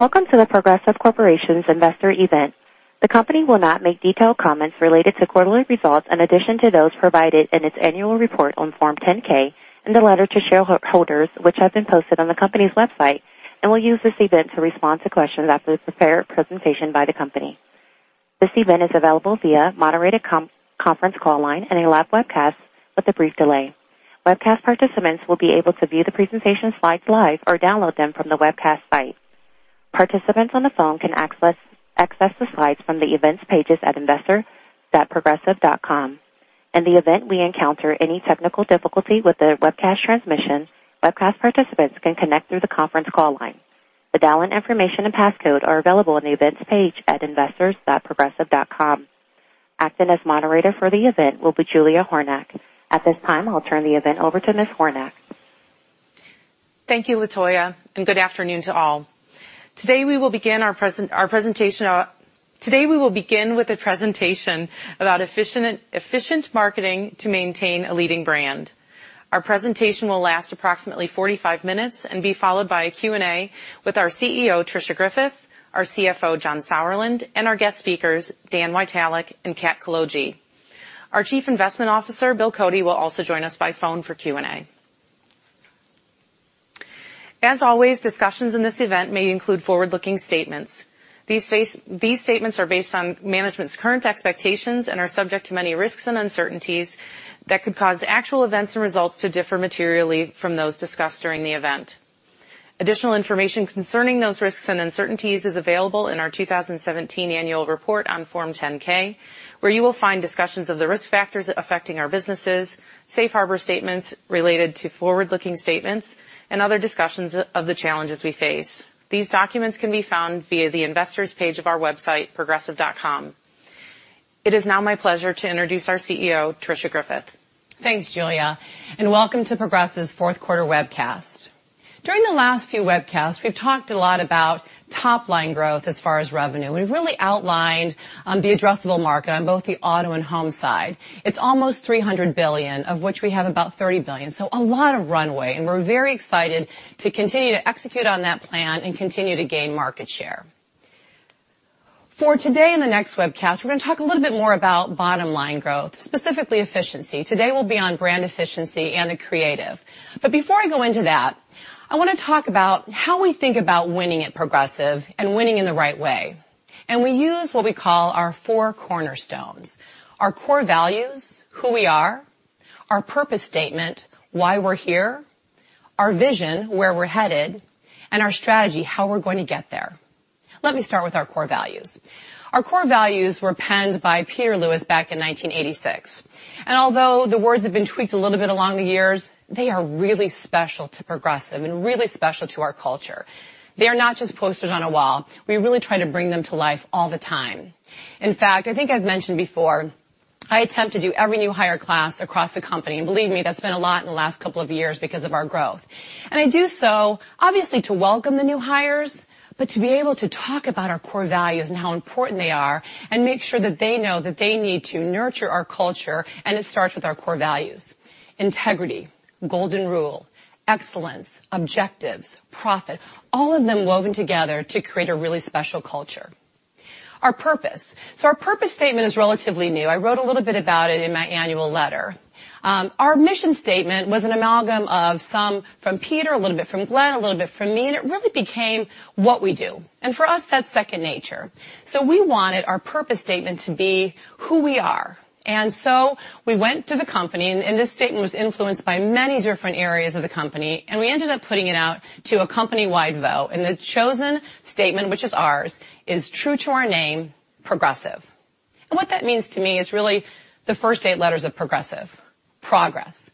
Welcome to The Progressive Corporation's Investor Event. The company will not make detailed comments related to quarterly results in addition to those provided in its annual report on Form 10-K in the letter to shareholders, which have been posted on the company's website, and will use this event to respond to questions after the prepared presentation by the company. This event is available via moderated conference call line and a live webcast with a brief delay. Webcast participants will be able to view the presentation slides live or download them from the webcast site. Participants on the phone can access the slides from the Events pages at investors.progressive.com. In the event we encounter any technical difficulty with the webcast transmission, webcast participants can connect through the conference call line. The dial-in information and passcode are available on the Events page at investors.progressive.com. Acting as moderator for the event will be Julia Hornack. At this time, I'll turn the event over to Ms. Hornack. Thank you, Latoya. Good afternoon to all. Today, we will begin with a presentation about efficient marketing to maintain a leading brand. Our presentation will last approximately 45 minutes and be followed by a Q&A with our CEO, Tricia Griffith, our CFO, John Sauerland, and our guest speakers, Dan Witalec and Cat Coologee. Our Chief Investment Officer, William Cody, will also join us by phone for Q&A. As always, discussions in this event may include forward-looking statements. These statements are based on management's current expectations and are subject to many risks and uncertainties that could cause actual events and results to differ materially from those discussed during the event. Additional information concerning those risks and uncertainties is available in our 2017 Annual Report on Form 10-K, where you will find discussions of the risk factors affecting our businesses, safe harbor statements related to forward-looking statements, and other discussions of the challenges we face. These documents can be found via the Investors page of our website, progressive.com. It is now my pleasure to introduce our CEO, Tricia Griffith. Thanks, Julia, and welcome to Progressive's fourth quarter webcast. During the last few webcasts, we've talked a lot about top-line growth as far as revenue. We've really outlined the addressable market on both the auto and home side. It's almost $300 billion, of which we have about $30 billion, so a lot of runway, and we're very excited to continue to execute on that plan and continue to gain market share. For today and the next webcast, we're going to talk a little bit more about bottom-line growth, specifically efficiency. Today will be on brand efficiency and the creative. But before I go into that, I want to talk about how we think about winning at Progressive and winning in the right way. We use what we call our four cornerstones, our core values, who we are; our purpose statement, why we're here; our vision, where we're headed; and our strategy, how we're going to get there. Let me start with our core values. Our core values were penned by Peter B. Lewis back in 1986, and although the words have been tweaked a little bit along the years, they are really special to Progressive and really special to our culture. They are not just posters on a wall. We really try to bring them to life all the time. In fact, I think I've mentioned before, I attempt to do every new hire class across the company, and believe me, that's been a lot in the last couple of years because of our growth. I do so obviously to welcome the new hires, but to be able to talk about our core values and how important they are and make sure that they know that they need to nurture our culture, and it starts with our core values. Integrity, golden rule, excellence, objectives, profit, all of them woven together to create a really special culture. Our purpose. Our purpose statement is relatively new. I wrote a little bit about it in my annual letter. Our mission statement was an amalgam of some from Peter B. Lewis, a little bit from Glenn M. Renwick, a little bit from me, and it really became what we do. And for us, that's second nature. So we wanted our purpose statement to be who we are. We went to the company, and this statement was influenced by many different areas of the company, and we ended up putting it out to a company-wide vote. And the chosen statement, which is ours, is true to our name, Progressive. And what that means to me is really the first eight letters of Progressive, progress,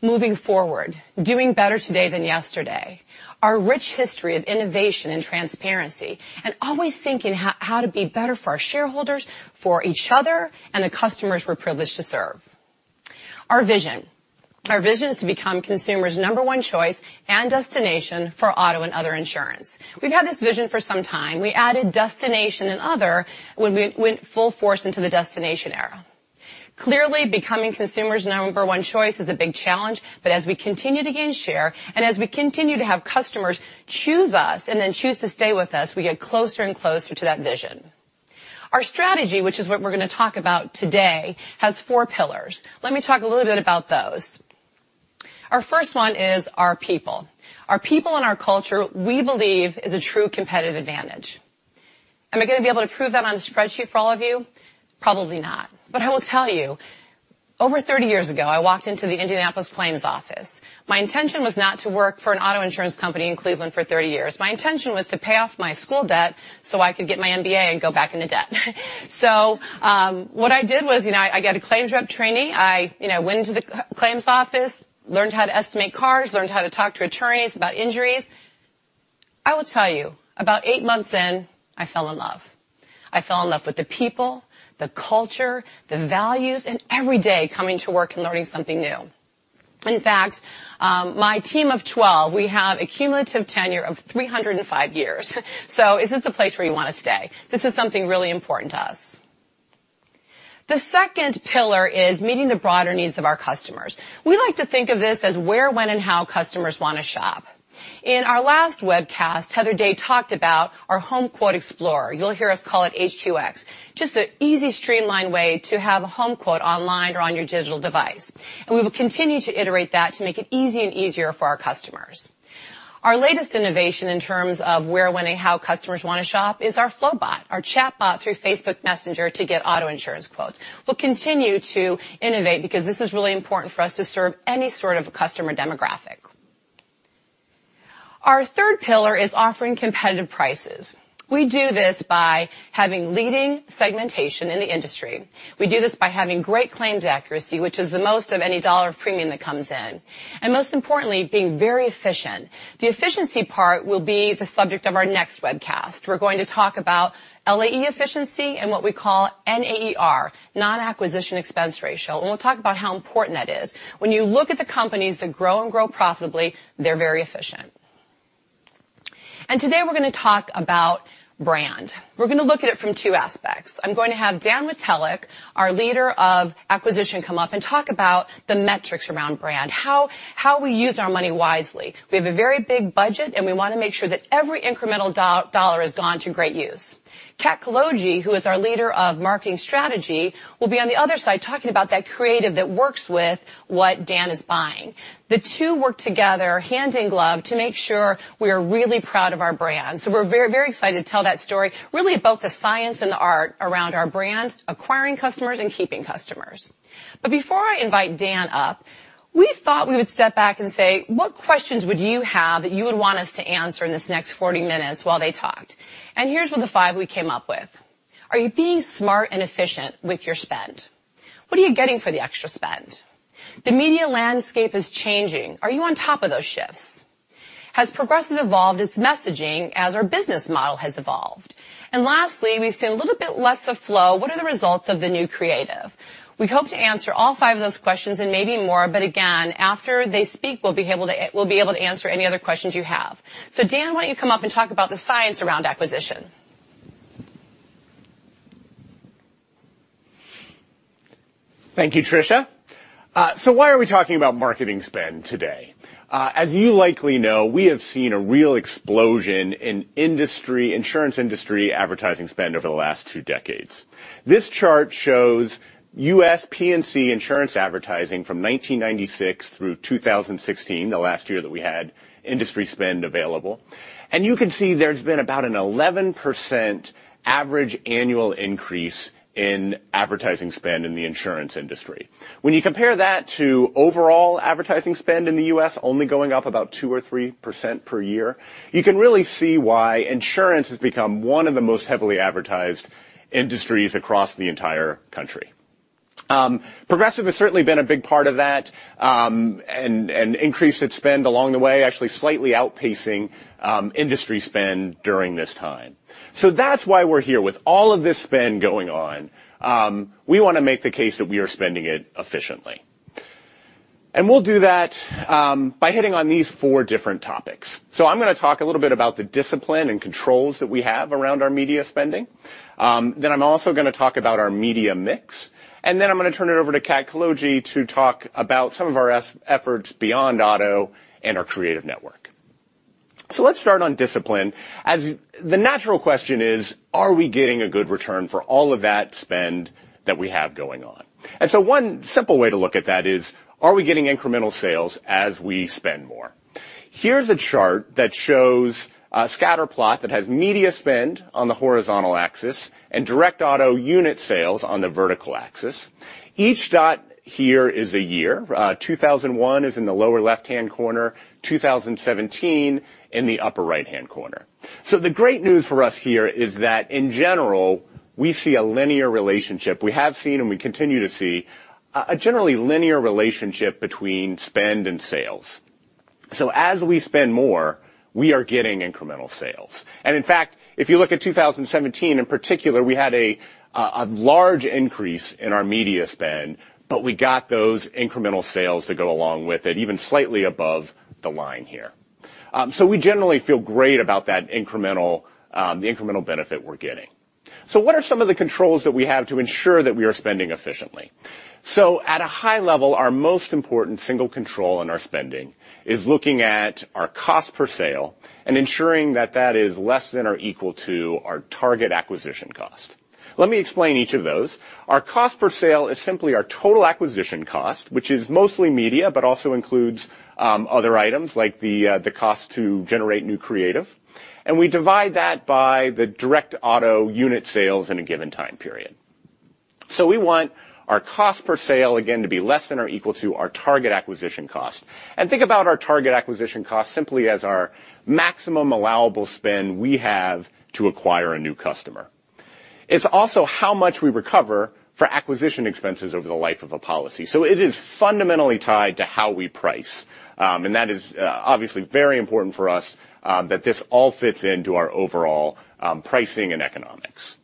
moving forward, doing better today than yesterday, our rich history of innovation and transparency, and always thinking how to be better for our shareholders, for each other, and the customers we're privileged to serve. Our vision. Our vision is to become consumers' number one choice and destination for auto and other insurance. We've had this vision for some time. We added destination and other when we went full force into the destination era. Clearly, becoming consumers' number one choice is a big challenge, but as we continue to gain share, and as we continue to have customers choose us and then choose to stay with us, we get closer and closer to that vision. Our strategy, which is what we're going to talk about today, has four pillars. Let me talk a little bit about those. Our first one is our people. Our people and our culture, we believe, is a true competitive advantage. Am I going to be able to prove that on a spreadsheet for all of you? Probably not. I will tell you, over 30 years ago, I walked into the Indianapolis claims office. My intention was not to work for an auto insurance company in Cleveland for 30 years. My intention was to pay off my school debt so I could get my MBA and go back into debt. What I did was I got a claims rep trainee. I went into the claims office, learned how to estimate cars, learned how to talk to attorneys about injuries. I will tell you, about eight months in, I fell in love. I fell in love with the people, the culture, the values, and every day coming to work and learning something new. In fact, my team of 12, we have a cumulative tenure of 305 years, this is the place where you want to stay. This is something really important to us. The second pillar is meeting the broader needs of our customers. We like to think of this as where, when, and how customers want to shop. In our last webcast, Heather Day talked about our Home Quote Explorer. You'll hear us call it HQX, just an easy streamline way to have a home quote online or on your digital device. We will continue to iterate that to make it easy and easier for our customers. Our latest innovation in terms of where, when, and how customers want to shop is our Flo Bot, our chatbot through Facebook Messenger to get auto insurance quotes. We'll continue to innovate because this is really important for us to serve any sort of customer demographic. Our third pillar is offering competitive prices. We do this by having leading segmentation in the industry. We do this by having great claims accuracy, which is the most of any dollar of premium that comes in, and most importantly, being very efficient. The efficiency part will be the subject of our next webcast. We're going to talk about LAE efficiency and what we call NAER, Non-Acquisition Expense Ratio, and we'll talk about how important that is. When you look at the companies that grow and grow profitably, they're very efficient. Today, we're going to talk about brand. We're going to look at it from two aspects. I'm going to have Dan Witalec, our Leader of Acquisition, come up and talk about the metrics around brand, how we use our money wisely. We have a very big budget, and we want to make sure that every incremental dollar is gone to great use. NCat Coologee, who is our Leader of Marketing Strategy, will be on the other side talking about that creative that works with what Dan is buying. The two work together hand in glove to make sure we are really proud of our brand. We're very excited to tell that story, really about the science and the art around our brand, acquiring customers, and keeping customers. Before I invite Dan up, we thought we would step back and say, what questions would you have that you would want us to answer in this next 40 minutes while they talked? Here's were the five we came up with. Are you being smart and efficient with your spend? What are you getting for the extra spend? The media landscape is changing. Are you on top of those shifts? Has Progressive evolved its messaging as our business model has evolved? Lastly, we've seen a little bit less of Flo. What are the results of the new creative? We hope to answer all five of those questions and maybe more, again, after they speak, we'll be able to answer any other questions you have. Dan, why don't you come up and talk about the science around acquisition? Thank you, Tricia. Why are we talking about marketing spend today? As you likely know, we have seen a real explosion in insurance industry advertising spend over the last two decades. This chart shows U.S. P&C insurance advertising from 1996 through 2016, the last year that we had industry spend available. You can see there's been about an 11% average annual increase in advertising spend in the insurance industry. When you compare that to overall advertising spend in the U.S. only going up about 2% or 3% per year, you can really see why insurance has become one of the most heavily advertised industries across the entire country. Progressive has certainly been a big part of that, and increased its spend along the way, actually slightly outpacing industry spend during this time. That's why we're here. With all of this spend going on, we want to make the case that we are spending it efficiently. We'll do that by hitting on these four different topics. I'm going to talk a little bit about the discipline and controls that we have around our media spending. I'm also going to talk about our media mix, I'm going to turn it over to Cat Coologee to talk about some of our efforts beyond auto and our creative network. Let's start on discipline. The natural question is, are we getting a good return for all of that spend that we have going on? One simple way to look at that is, are we getting incremental sales as we spend more? Here's a chart that shows a scatter plot that has media spend on the horizontal axis and direct auto unit sales on the vertical axis. Each dot here is a year. 2001 is in the lower left-hand corner, 2017 in the upper right-hand corner. The great news for us here is that in general, we see a linear relationship. We have seen and we continue to see a generally linear relationship between spend and sales. As we spend more, we are getting incremental sales. In fact, if you look at 2017 in particular, we had a large increase in our media spend, but we got those incremental sales to go along with it, even slightly above the line here. We generally feel great about the incremental benefit we're getting. What are some of the controls that we have to ensure that we are spending efficiently? At a high level, our most important single control in our spending is looking at our cost per sale and ensuring that that is less than or equal to our target acquisition cost. Let me explain each of those. Our cost per sale is simply our total acquisition cost, which is mostly media, but also includes other items like the cost to generate new creative. We divide that by the direct auto unit sales in a given time period. We want our cost per sale, again, to be less than or equal to our target acquisition cost. Think about our target acquisition cost simply as our maximum allowable spend we have to acquire a new customer. It's also how much we recover for acquisition expenses over the life of a policy. It is fundamentally tied to how we price, and that is obviously very important for us that this all fits into our overall pricing and economics.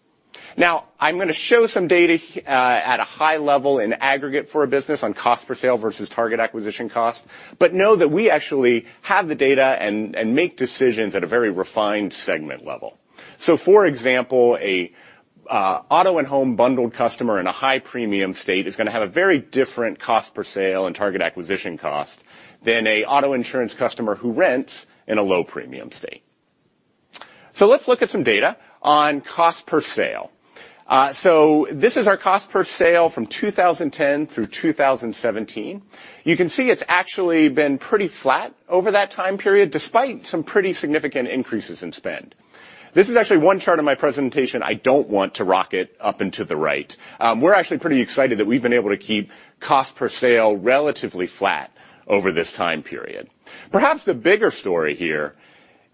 I'm going to show some data at a high level in aggregate for a business on cost per sale versus target acquisition cost, but know that we actually have the data and make decisions at a very refined segment level. For example, an auto and home bundled customer in a high premium state is going to have a very different cost per sale and target acquisition cost than an auto insurance customer who rents in a low premium state. Let's look at some data on cost per sale. This is our cost per sale from 2010 through 2017. You can see it's actually been pretty flat over that time period, despite some pretty significant increases in spend. This is actually one chart in my presentation I don't want to rocket up and to the right. We're actually pretty excited that we've been able to keep cost per sale relatively flat over this time period. Perhaps the bigger story here is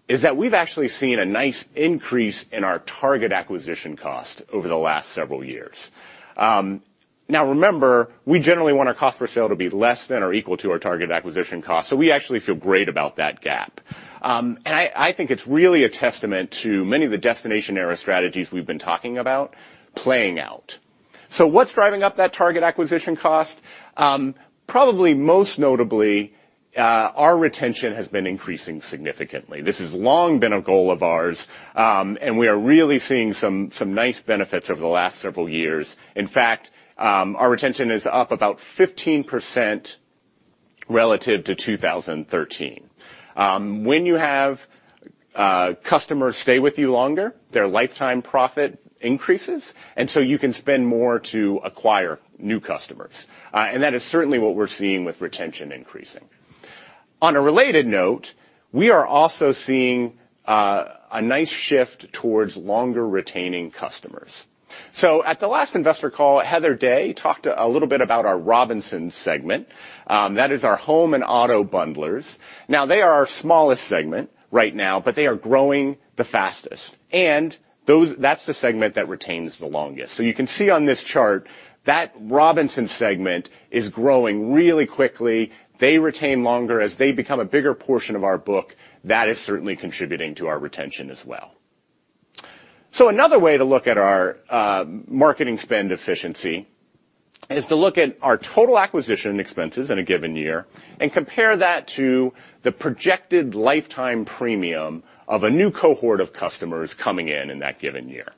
that we've actually seen a nice increase in our target acquisition cost over the last several years. Remember, we generally want our cost per sale to be less than or equal to our target acquisition cost, so we actually feel great about that gap. I think it's really a testament to many of the destination era strategies we've been talking about playing out. What's driving up that target acquisition cost? Probably most notably, our retention has been increasing significantly. This has long been a goal of ours, and we are really seeing some nice benefits over the last several years. In fact, our retention is up about 15% relative to 2013. When you have customers stay with you longer, their lifetime profit increases, you can spend more to acquire new customers. That is certainly what we're seeing with retention increasing. On a related note, we are also seeing a nice shift towards longer retaining customers. At the last investor call, Heather Day talked a little bit about our Robinsons segment. That is our home and auto bundlers. They are our smallest segment right now, they are growing the fastest, and that's the segment that retains the longest. You can see on this chart that Robinsons segment is growing really quickly. They retain longer. As they become a bigger portion of our book, that is certainly contributing to our retention as well. Another way to look at our marketing spend efficiency is to look at our total acquisition expenses in a given year and compare that to the projected lifetime premium of a new cohort of customers coming in in that given year.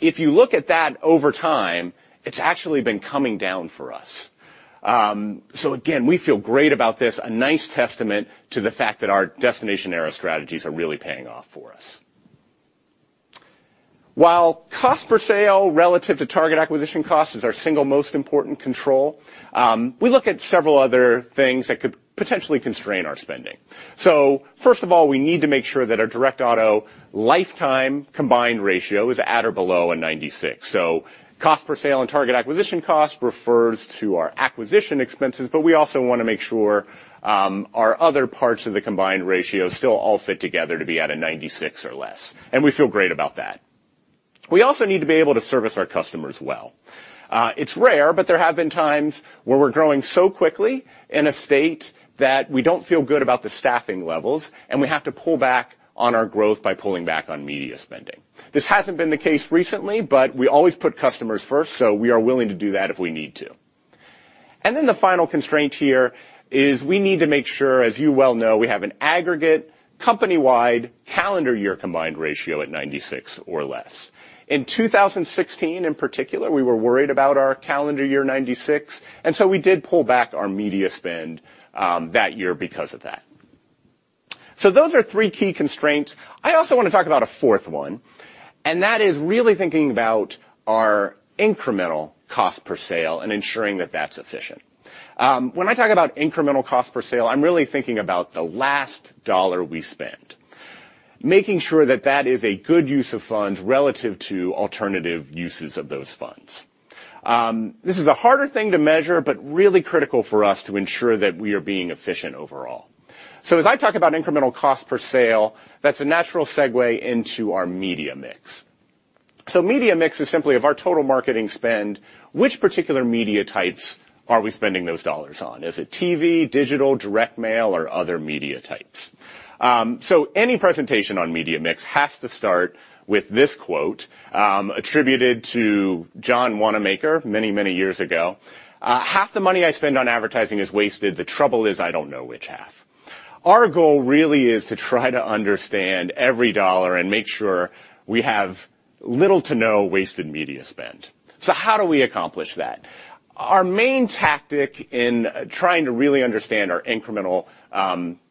If you look at that over time, it's actually been coming down for us. Again, we feel great about this, a nice testament to the fact that our destination era strategies are really paying off for us. While cost per sale relative to target acquisition cost is our single most important control, we look at several other things that could potentially constrain our spending. First of all, we need to make sure that our direct auto lifetime combined ratio is at or below a 96. Cost per sale and target acquisition cost refers to our acquisition expenses, but we also want to make sure our other parts of the combined ratio still all fit together to be at a 96 or less. We feel great about that. We also need to be able to service our customers well. It's rare, but there have been times where we're growing so quickly in a state that we don't feel good about the staffing levels, and we have to pull back on our growth by pulling back on media spending. This hasn't been the case recently, but we always put customers first, so we are willing to do that if we need to. The final constraint here is we need to make sure, as you well know, we have an aggregate company-wide calendar year combined ratio at 96 or less. In 2016 in particular, we were worried about our calendar year 96, we did pull back our media spend that year because of that. Those are three key constraints. I also want to talk about a fourth one, that is really thinking about our incremental cost per sale and ensuring that that's efficient. When I talk about incremental cost per sale, I'm really thinking about the last dollar we spent, making sure that that is a good use of funds relative to alternative uses of those funds. This is a harder thing to measure, but really critical for us to ensure that we are being efficient overall. As I talk about incremental cost per sale, that's a natural segue into our media mix. Media mix is simply of our total marketing spend, which particular media types are we spending those dollars on? Is it TV, digital, direct mail, or other media types? Any presentation on media mix has to start with this quote attributed to John Wanamaker many, many years ago. "Half the money I spend on advertising is wasted. The trouble is I don't know which half." Our goal really is to try to understand every dollar and make sure we have little to no wasted media spend. How do we accomplish that? Our main tactic in trying to really understand our incremental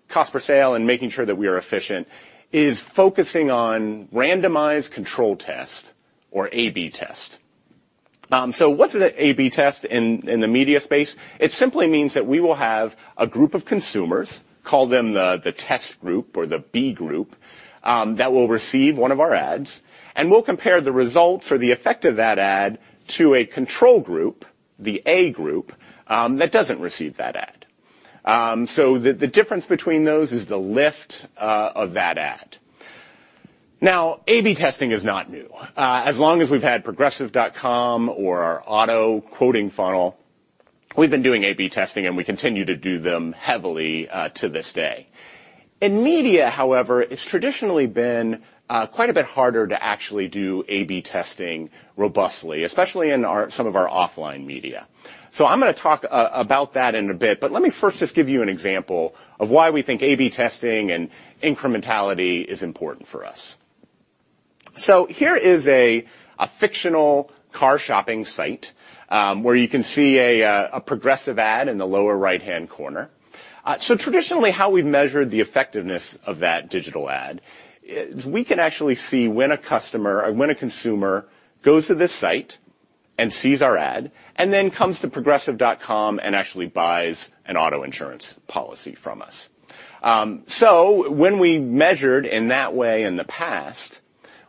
cost per sale and making sure that we are efficient is focusing on randomized control test or A/B test. What's an A/B test in the media space? It simply means that we will have a group of consumers, call them the test group or the B group, that will receive one of our ads, and we'll compare the results or the effect of that ad to a control group, the A group, that doesn't receive that ad. The difference between those is the lift of that ad. A/B testing is not new. As long as we've had progressive.com or our auto quoting funnel, we've been doing A/B testing, and we continue to do them heavily to this day. In media, however, it's traditionally been quite a bit harder to actually do A/B testing robustly, especially in some of our offline media. I'm going to talk about that in a bit, but let me first just give you an example of why we think A/B testing and incrementality is important for us. Here is a fictional car shopping site where you can see a Progressive ad in the lower right-hand corner. Traditionally how we've measured the effectiveness of that digital ad is we can actually see when a customer or when a consumer goes to this site and sees our ad and then comes to progressive.com and actually buys an auto insurance policy from us. When we measured in that way in the past,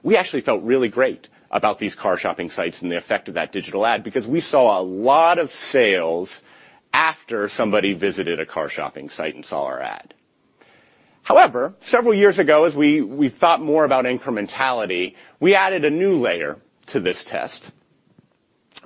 we actually felt really great about these car shopping sites and the effect of that digital ad because we saw a lot of sales after somebody visited a car shopping site and saw our ad. However, several years ago, as we thought more about incrementality, we added a new layer to this test.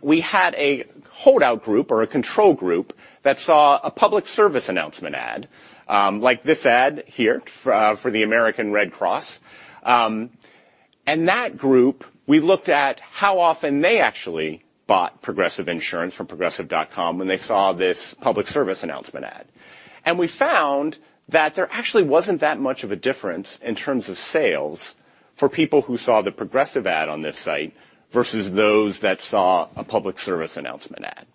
We had a holdout group or a control group that saw a public service announcement ad, like this ad here for the American Red Cross. That group, we looked at how often they actually bought Progressive insurance from progressive.com when they saw this public service announcement ad. We found that there actually wasn't that much of a difference in terms of sales for people who saw the Progressive ad on this site versus those that saw a public service announcement ad.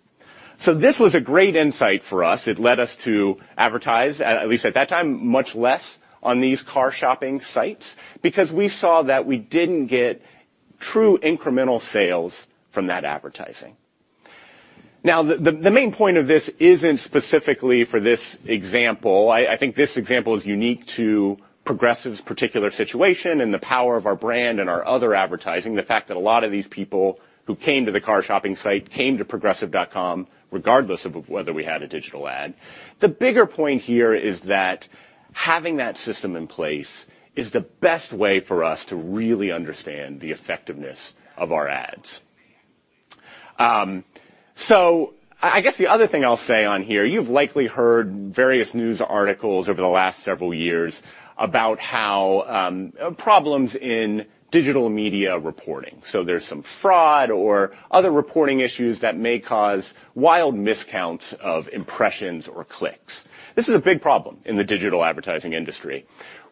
This was a great insight for us. It led us to advertise, at least at that time, much less on these car shopping sites because we saw that we didn't get true incremental sales from that advertising. The main point of this isn't specifically for this example. I think this example is unique to Progressive's particular situation and the power of our brand and our other advertising. The fact that a lot of these people who came to the car shopping site came to progressive.com regardless of whether we had a digital ad. The bigger point here is that having that system in place is the best way for us to really understand the effectiveness of our ads. I guess the other thing I'll say on here, you've likely heard various news articles over the last several years about how problems in digital media reporting. There's some fraud or other reporting issues that may cause wild miscounts of impressions or clicks. This is a big problem in the digital advertising industry.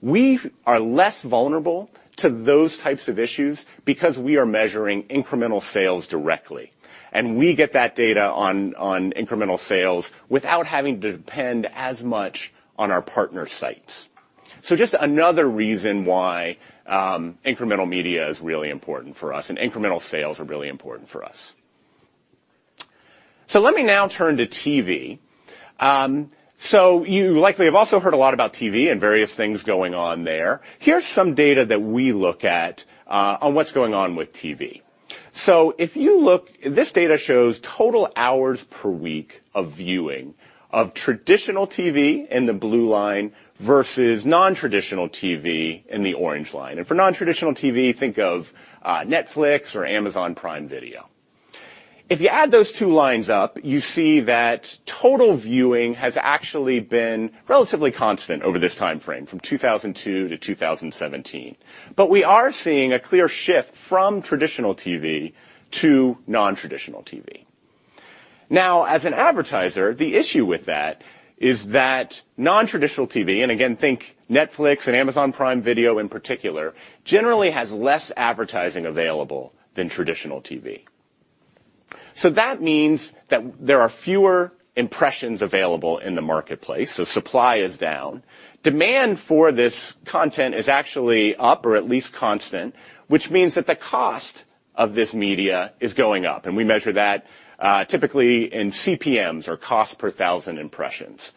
We are less vulnerable to those types of issues because we are measuring incremental sales directly, and we get that data on incremental sales without having to depend as much on our partner sites. Just another reason why incremental media is really important for us and incremental sales are really important for us. Let me now turn to TV. You likely have also heard a lot about TV and various things going on there. Here's some data that we look at on what's going on with TV. If you look, this data shows total hours per week of viewing of traditional TV in the blue line versus non-traditional TV in the orange line. And for non-traditional TV, think of Netflix or Amazon Prime Video. If you add those two lines up, you see that total viewing has actually been relatively constant over this timeframe from 2002 to 2017. We are seeing a clear shift from traditional TV to non-traditional TV. Now, as an advertiser, the issue with that is that non-traditional TV, and again, think Netflix and Amazon Prime Video in particular, generally has less advertising available than traditional TV. That means that there are fewer impressions available in the marketplace. Supply is down. Demand for this content is actually up or at least constant, which means that the cost of this media is going up. We measure that typically in CPMs or cost per thousand impressions.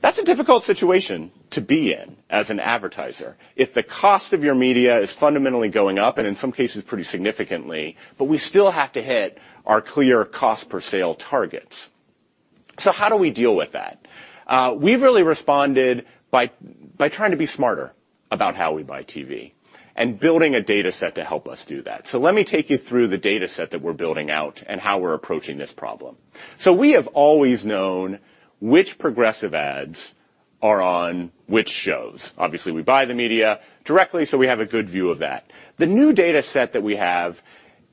That's a difficult situation to be in as an advertiser if the cost of your media is fundamentally going up, and in some cases pretty significantly, we still have to hit our clear cost per sale targets. How do we deal with that? We've really responded by trying to be smarter about how we buy TV and building a data set to help us do that. Let me take you through the data set that we're building out and how we're approaching this problem. We have always known which Progressive ads are on which shows. Obviously, we buy the media directly, we have a good view of that. The new data set that we have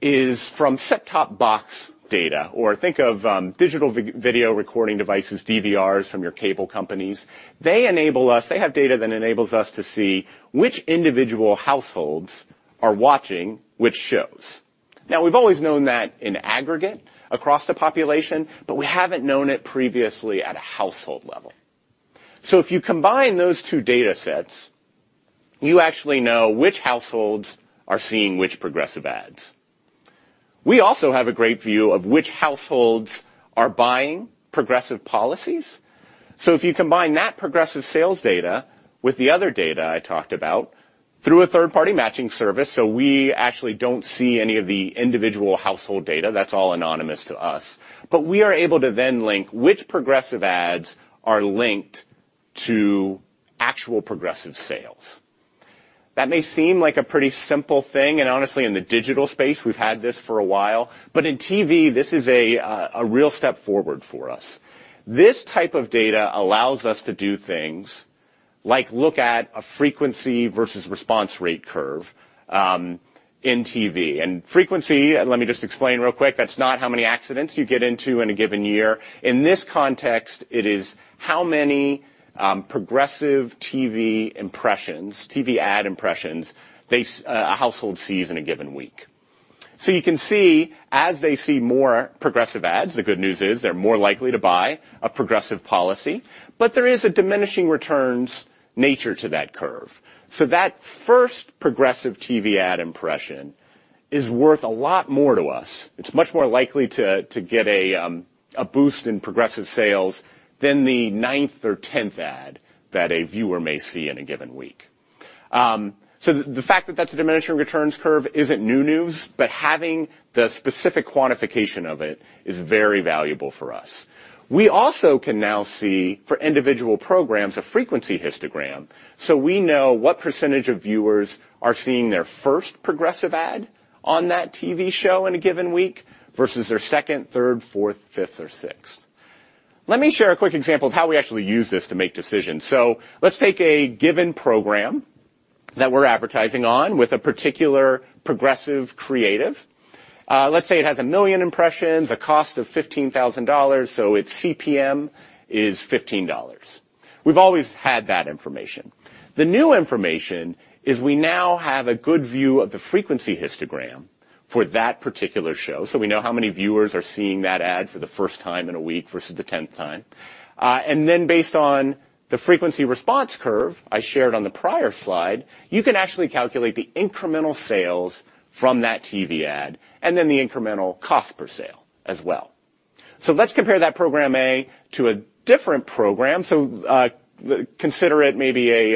is from set-top box data, or think of digital video recording devices, DVRs from your cable companies. They have data that enables us to see which individual households are watching which shows. Now, we've always known that in aggregate across the population, but we haven't known it previously at a household level. If you combine those two data sets, you actually know which households are seeing which Progressive ads. We also have a great view of which households are buying Progressive policies. If you combine that Progressive sales data with the other data I talked about through a third-party matching service. We actually don't see any of the individual household data. That's all anonymous to us. We are able to then link which Progressive ads are linked to actual Progressive sales. That may seem like a pretty simple thing, and honestly, in the digital space, we've had this for a while. In TV, this is a real step forward for us. This type of data allows us to do things like look at a frequency versus response rate curve in TV. Frequency, let me just explain real quick, that's not how many accidents you get into in a given year. In this context, it is how many Progressive TV ad impressions a household sees in a given week. You can see, as they see more Progressive ads, the good news is they're more likely to buy a Progressive policy. There is a diminishing returns nature to that curve. That first Progressive TV ad impression is worth a lot more to us. It's much more likely to get a boost in Progressive sales than the ninth or 10th ad that a viewer may see in a given week. The fact that that's a diminishing returns curve isn't new news, having the specific quantification of it is very valuable for us. We also can now see, for individual programs, a frequency histogram. We know what percentage of viewers are seeing their first Progressive ad on that TV show in a given week versus their second, third, fourth, fifth, or sixth. Let me share a quick example of how we actually use this to make decisions. Let's take a given program that we're advertising on with a particular Progressive creative. Let's say it has a million impressions, a cost of $15,000, its CPM is $15. We've always had that information. The new information is we now have a good view of the frequency histogram for that particular show. We know how many viewers are seeing that ad for the first time in a week versus the 10th time. Based on the frequency response curve I shared on the prior slide, you can actually calculate the incremental sales from that TV ad and then the incremental cost per sale as well. Let's compare that program A to a different program. Consider it maybe a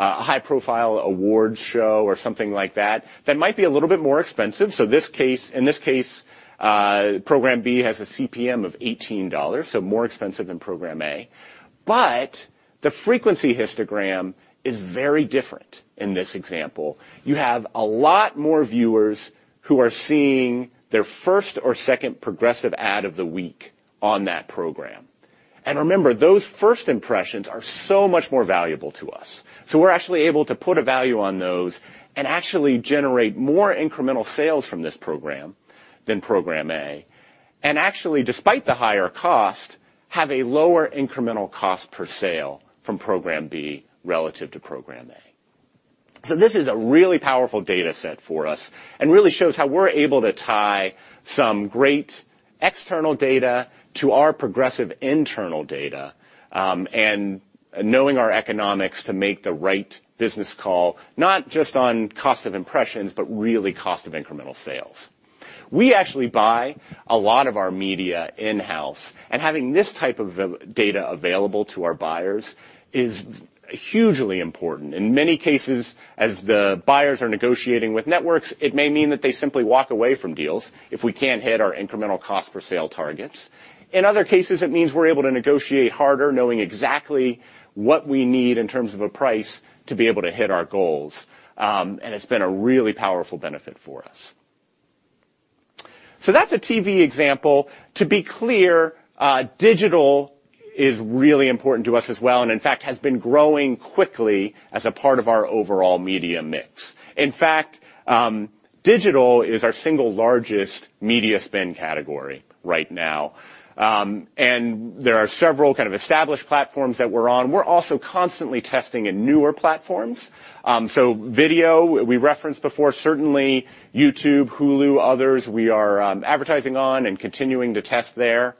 high-profile awards show or something like that might be a little bit more expensive. In this case, program B has a CPM of $18, more expensive than program A. The frequency histogram is very different in this example. You have a lot more viewers who are seeing their first or second Progressive ad of the week on that program. Remember, those first impressions are so much more valuable to us. We're actually able to put a value on those and actually generate more incremental sales from this program than program A, and actually, despite the higher cost, have a lower incremental cost per sale from program B relative to program A. This is a really powerful data set for us and really shows how we're able to tie some great external data to our Progressive internal data, and knowing our economics to make the right business call, not just on cost of impressions, but really cost of incremental sales. We actually buy a lot of our media in-house, and having this type of data available to our buyers is hugely important. In many cases, as the buyers are negotiating with networks, it may mean that they simply walk away from deals if we can't hit our incremental cost per sale targets. In other cases, it means we're able to negotiate harder, knowing exactly what we need in terms of a price to be able to hit our goals. It's been a really powerful benefit for us. That's a TV example. To be clear, digital is really important to us as well, and in fact, has been growing quickly as a part of our overall media mix. In fact, digital is our single largest media spend category right now. There are several kind of established platforms that we're on. We're also constantly testing in newer platforms. Video, we referenced before, certainly YouTube, Hulu, others we are advertising on and continuing to test there.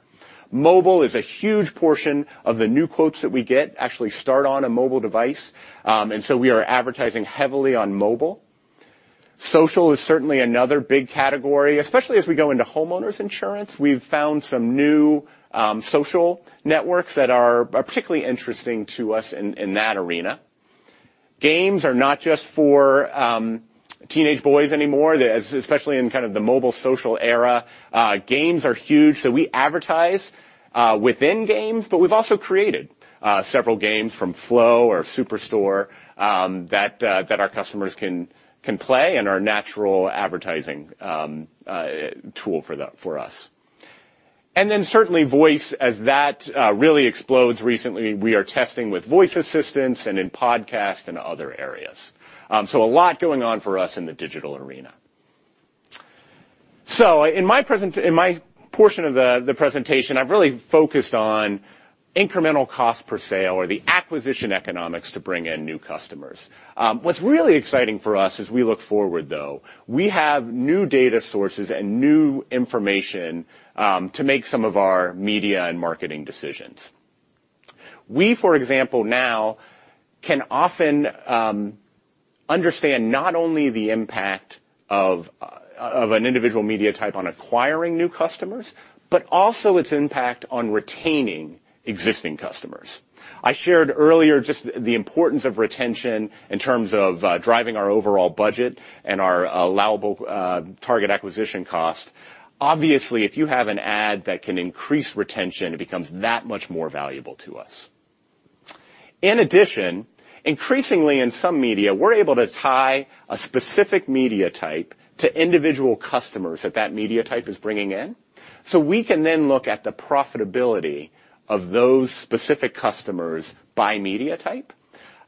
Mobile is a huge portion of the new quotes that we get actually start on a mobile device, and so we are advertising heavily on mobile. Social is certainly another big category, especially as we go into homeowners insurance. We've found some new social networks that are particularly interesting to us in that arena. Games are not just for teenage boys anymore, especially in kind of the mobile social era. Games are huge, so we advertise within games, but we've also created several games from Flo or Superstore that our customers can play and are natural advertising tool for us. Certainly voice as that really explodes recently, we are testing with voice assistants and in podcasts and other areas. A lot going on for us in the digital arena. In my portion of the presentation, I've really focused on incremental cost per sale or the acquisition economics to bring in new customers. What's really exciting for us as we look forward, though, we have new data sources and new information to make some of our media and marketing decisions. We, for example, now can often understand not only the impact of an individual media type on acquiring new customers, but also its impact on retaining existing customers. I shared earlier just the importance of retention in terms of driving our overall budget and our allowable target acquisition cost. Obviously, if you have an ad that can increase retention, it becomes that much more valuable to us. In addition, increasingly in some media, we're able to tie a specific media type to individual customers that that media type is bringing in. We can then look at the profitability of those specific customers by media type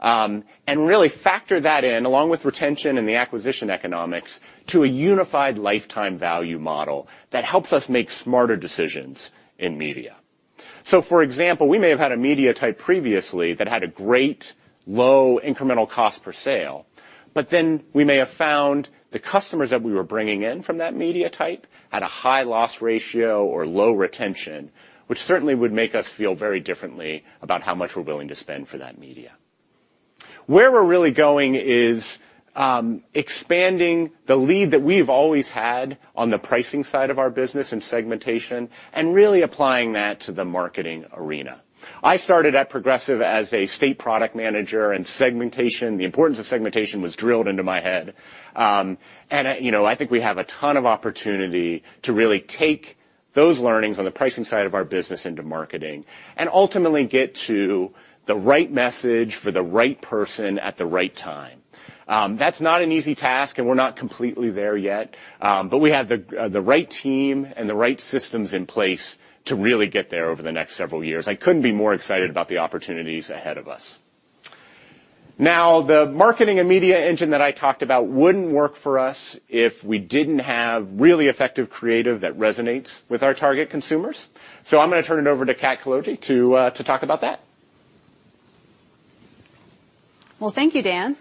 and really factor that in, along with retention and the acquisition economics, to a unified lifetime value model that helps us make smarter decisions in media. For example, we may have had a media type previously that had a great low incremental cost per sale, we may have found the customers that we were bringing in from that media type had a high loss ratio or low retention, which certainly would make us feel very differently about how much we're willing to spend for that media. Where we're really going is expanding the lead that we've always had on the pricing side of our business and segmentation, and really applying that to the marketing arena. I started at Progressive as a state product manager in segmentation. The importance of segmentation was drilled into my head. I think we have a ton of opportunity to really take those learnings on the pricing side of our business into marketing, and ultimately get to the right message for the right person at the right time. That's not an easy task, and we're not completely there yet. We have the right team and the right systems in place to really get there over the next several years. I couldn't be more excited about the opportunities ahead of us. The marketing and media engine that I talked about wouldn't work for us if we didn't have really effective creative that resonates with our target consumers. I'm going to turn it over to Cat Coologee to talk about that. Well, thank you, Dan.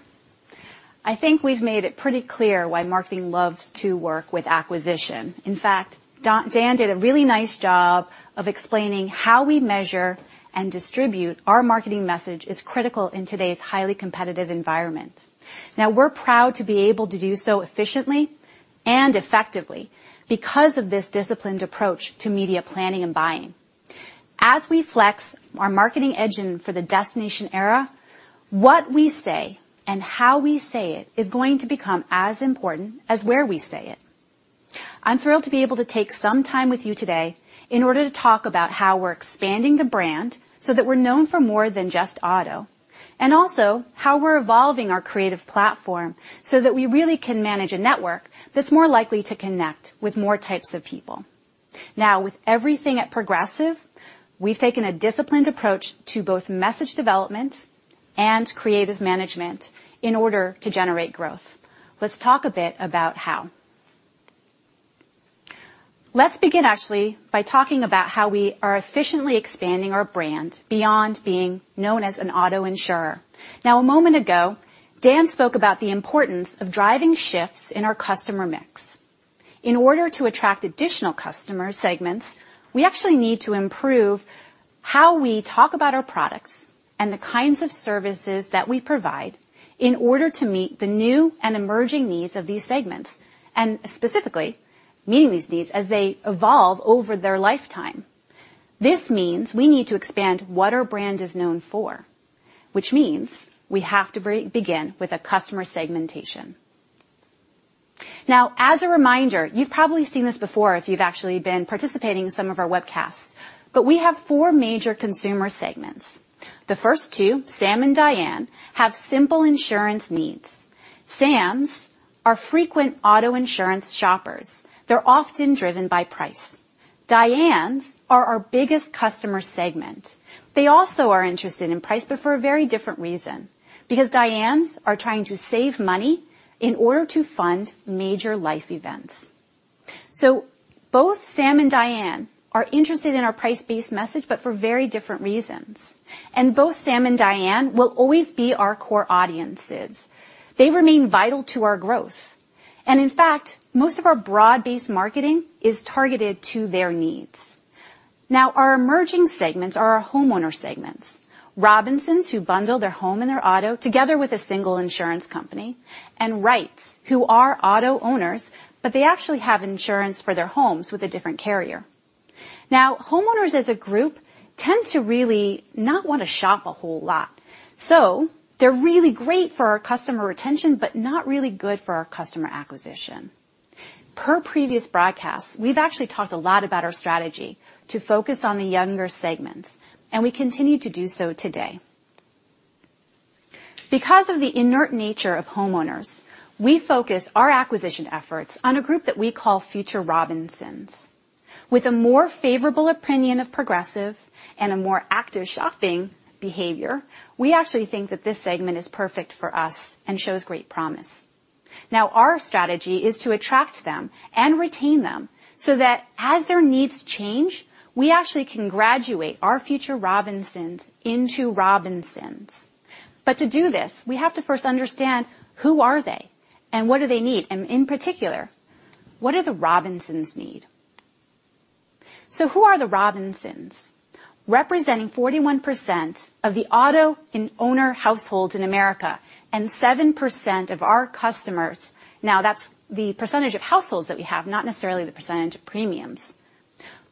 I think we've made it pretty clear why marketing loves to work with acquisition. In fact, Dan did a really nice job of explaining how we measure and distribute our marketing message is critical in today's highly competitive environment. We're proud to be able to do so efficiently and effectively because of this disciplined approach to media planning and buying. As we flex our marketing engine for the destination era, what we say and how we say it is going to become as important as where we say it. I'm thrilled to be able to take some time with you today in order to talk about how we're expanding the brand so that we're known for more than just auto, and also how we're evolving our creative platform so that we really can manage a network that's more likely to connect with more types of people. With everything at Progressive, we've taken a disciplined approach to both message development and creative management in order to generate growth. Let's talk a bit about how. Let's begin actually by talking about how we are efficiently expanding our brand beyond being known as an auto insurer. A moment ago, Dan spoke about the importance of driving shifts in our customer mix. In order to attract additional customer segments, we actually need to improve how we talk about our products and the kinds of services that we provide in order to meet the new and emerging needs of these segments, and specifically meeting these needs as they evolve over their lifetime. This means we need to expand what our brand is known for, which means we have to begin with a customer segmentation. As a reminder, you've probably seen this before if you've actually been participating in some of our webcasts, but we have four major consumer segments. The first two, Sams and Dianes, have simple insurance needs. Sams are frequent auto insurance shoppers. They're often driven by price. Dianes are our biggest customer segment. They also are interested in price, but for a very different reason, because Dianes are trying to save money in order to fund major life events. Both Sams and Dianes are interested in our price-based message, but for very different reasons, and both Sams and Dianes will always be our core audiences. They remain vital to our growth. In fact, most of our broad-based marketing is targeted to their needs. Our emerging segments are our homeowner segments. Robinsons who bundle their home and their auto together with a single insurance company, and Wrights who are auto owners, but they actually have insurance for their homes with a different carrier. Homeowners as a group tend to really not want to shop a whole lot. They're really great for our customer retention, but not really good for our customer acquisition. Per previous broadcasts, we've actually talked a lot about our strategy to focus on the younger segments, and we continue to do so today. Because of the inert nature of homeowners, we focus our acquisition efforts on a group that we call future Robinsons. With a more favorable opinion of Progressive and a more active shopping behavior, we actually think that this segment is perfect for us and shows great promise. Our strategy is to attract them and retain them so that as their needs change, we actually can graduate our future Robinsons into Robinsons. To do this, we have to first understand who are they and what do they need, and in particular, what do the Robinsons need? Who are the Robinsons? Representing 41% of the auto and owner households in America and 7% of our customers. That's the percentage of households that we have, not necessarily the percentage of premiums.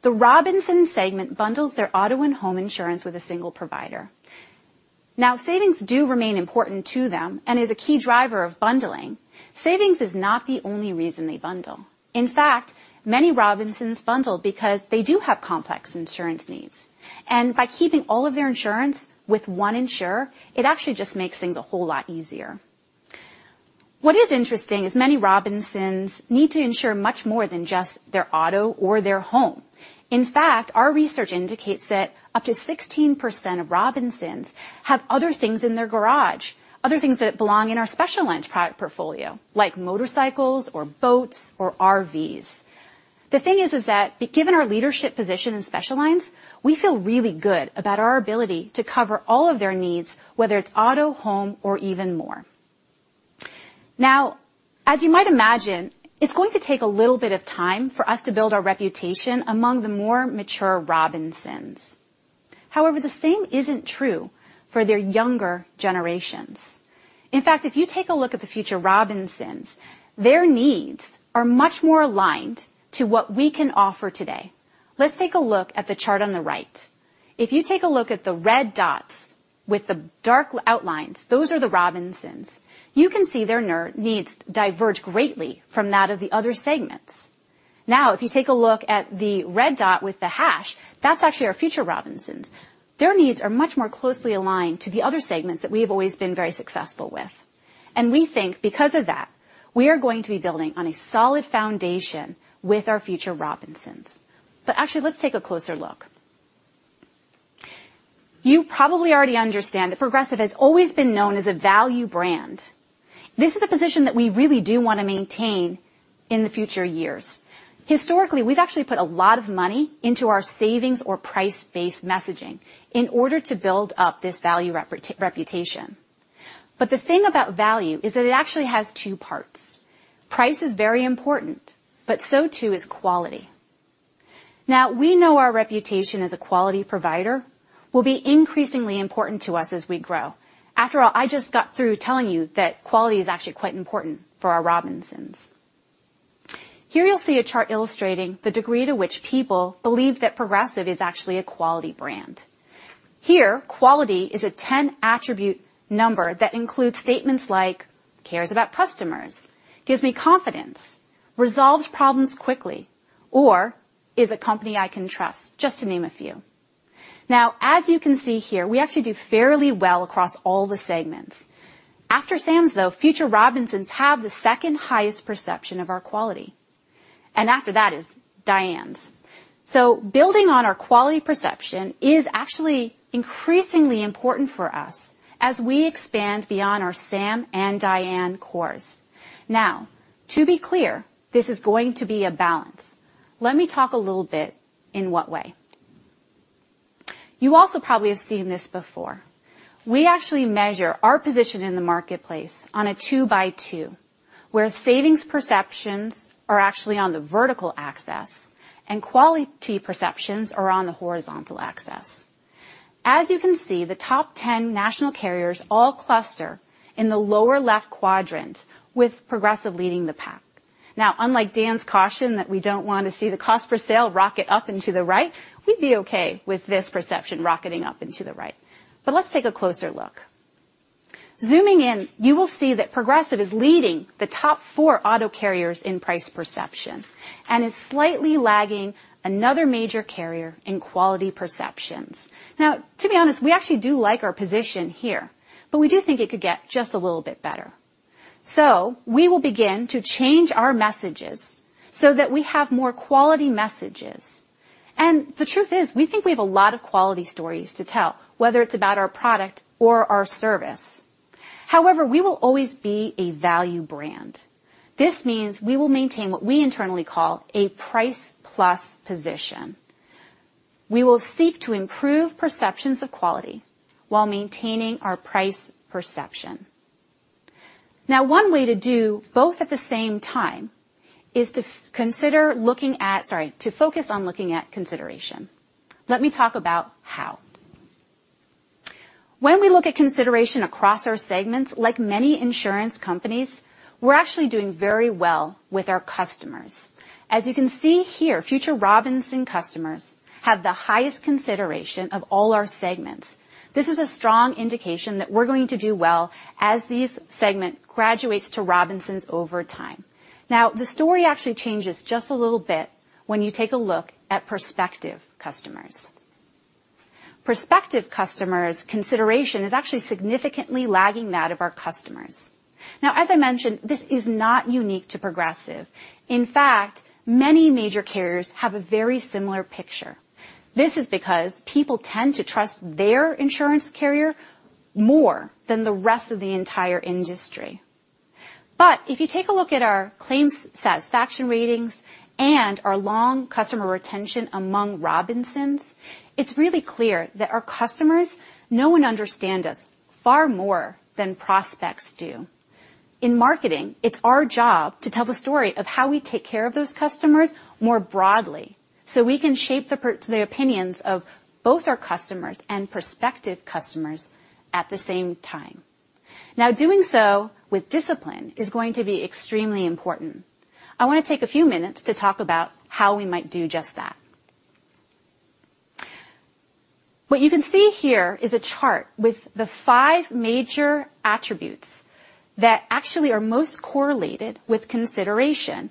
The Robinson segment bundles their auto and home insurance with a single provider. Savings do remain important to them and is a key driver of bundling. Savings is not the only reason they bundle. In fact, many Robinsons bundle because they do have complex insurance needs, and by keeping all of their insurance with one insurer, it actually just makes things a whole lot easier. What is interesting is many Robinsons need to insure much more than just their auto or their home. In fact, our research indicates that up to 16% of Robinsons have other things in their garage, other things that belong in our specialized product portfolio, like motorcycles or boats or RVs. The thing is that given our leadership position in special lines, we feel really good about our ability to cover all of their needs, whether it's auto, home, or even more. As you might imagine, it's going to take a little bit of time for us to build our reputation among the more mature Robinsons. The same isn't true for their younger generations. If you take a look at the future Robinsons, their needs are much more aligned to what we can offer today. Let's take a look at the chart on the right. If you take a look at the red dots with the dark outlines, those are the Robinsons. You can see their needs diverge greatly from that of the other segments. If you take a look at the red dot with the hash, that's actually our future Robinsons. Their needs are much more closely aligned to the other segments that we have always been very successful with. We think because of that, we are going to be building on a solid foundation with our future Robinsons. Actually, let's take a closer look. You probably already understand that Progressive has always been known as a value brand. This is a position that we really do want to maintain in the future years. Historically, we've actually put a lot of money into our savings or price-based messaging in order to build up this value reputation. The thing about value is that it actually has two parts. Price is very important, so too is quality. We know our reputation as a quality provider will be increasingly important to us as we grow. After all, I just got through telling you that quality is actually quite important for our Robinsons. Here you'll see a chart illustrating the degree to which people believe that Progressive is actually a quality brand. Here, quality is a 10 attribute number that includes statements like, "Cares about customers," "Gives me confidence," "Resolves problems quickly," or, "Is a company I can trust," just to name a few. As you can see here, we actually do fairly well across all the segments. After Sams, though, future Robinsons have the second highest perception of our quality. After that is Dianes. Building on our quality perception is actually increasingly important for us as we expand beyond our Sams and Dianes cores. To be clear, this is going to be a balance. Let me talk a little bit in what way. You also probably have seen this before. We actually measure our position in the marketplace on a two by two, where savings perceptions are actually on the vertical axis and quality perceptions are on the horizontal axis. As you can see, the top 10 national carriers all cluster in the lower left quadrant, with Progressive leading the pack. Unlike Dan's caution that we don't want to see the cost per sale rocket up and to the right, we'd be okay with this perception rocketing up and to the right. Let's take a closer look. Zooming in, you will see that Progressive is leading the top four auto carriers in price perception and is slightly lagging another major carrier in quality perceptions. To be honest, we actually do like our position here, we do think it could get just a little bit better. We will begin to change our messages so that we have more quality messages. The truth is, we think we have a lot of quality stories to tell, whether it's about our product or our service. However, we will always be a value brand. This means we will maintain what we internally call a price plus position. We will seek to improve perceptions of quality while maintaining our price perception. Now, one way to do both at the same time is to focus on looking at consideration. Let me talk about how. When we look at consideration across our segments, like many insurance companies, we're actually doing very well with our customers. As you can see here, future Robinsons customers have the highest consideration of all our segments. This is a strong indication that we're going to do well as this segment graduates to Robinsons over time. Now, the story actually changes just a little bit when you take a look at prospective customers. Prospective customers' consideration is actually significantly lagging that of our customers. Now, as I mentioned, this is not unique to Progressive. In fact, many major carriers have a very similar picture. This is because people tend to trust their insurance carrier more than the rest of the entire industry. If you take a look at our claims satisfaction ratings and our long customer retention among Robinsons, it's really clear that our customers know and understand us far more than prospects do. In marketing, it's our job to tell the story of how we take care of those customers more broadly, so we can shape the opinions of both our customers and prospective customers at the same time. Now, doing so with discipline is going to be extremely important. I want to take a few minutes to talk about how we might do just that. What you can see here is a chart with the five major attributes that actually are most correlated with consideration.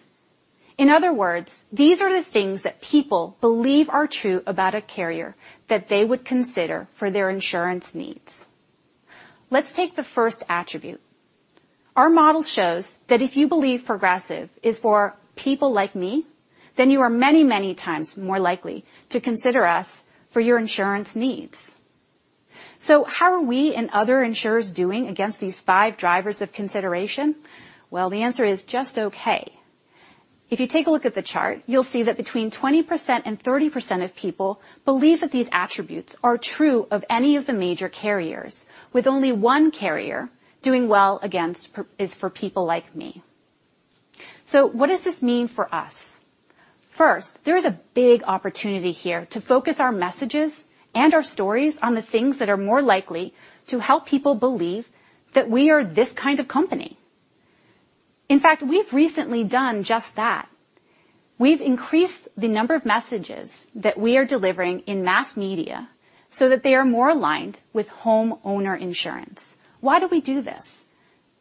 In other words, these are the things that people believe are true about a carrier that they would consider for their insurance needs. Let's take the first attribute. Our model shows that if you believe Progressive is for people like me, then you are many, many times more likely to consider us for your insurance needs. How are we and other insurers doing against these five drivers of consideration? Well, the answer is just okay. If you take a look at the chart, you'll see that between 20%-30% of people believe that these attributes are true of any of the major carriers, with only one carrier doing well against is for people like me. What does this mean for us? First, there is a big opportunity here to focus our messages and our stories on the things that are more likely to help people believe that we are this kind of company. In fact, we've recently done just that. We've increased the number of messages that we are delivering in mass media so that they are more aligned with homeowner insurance. Why do we do this?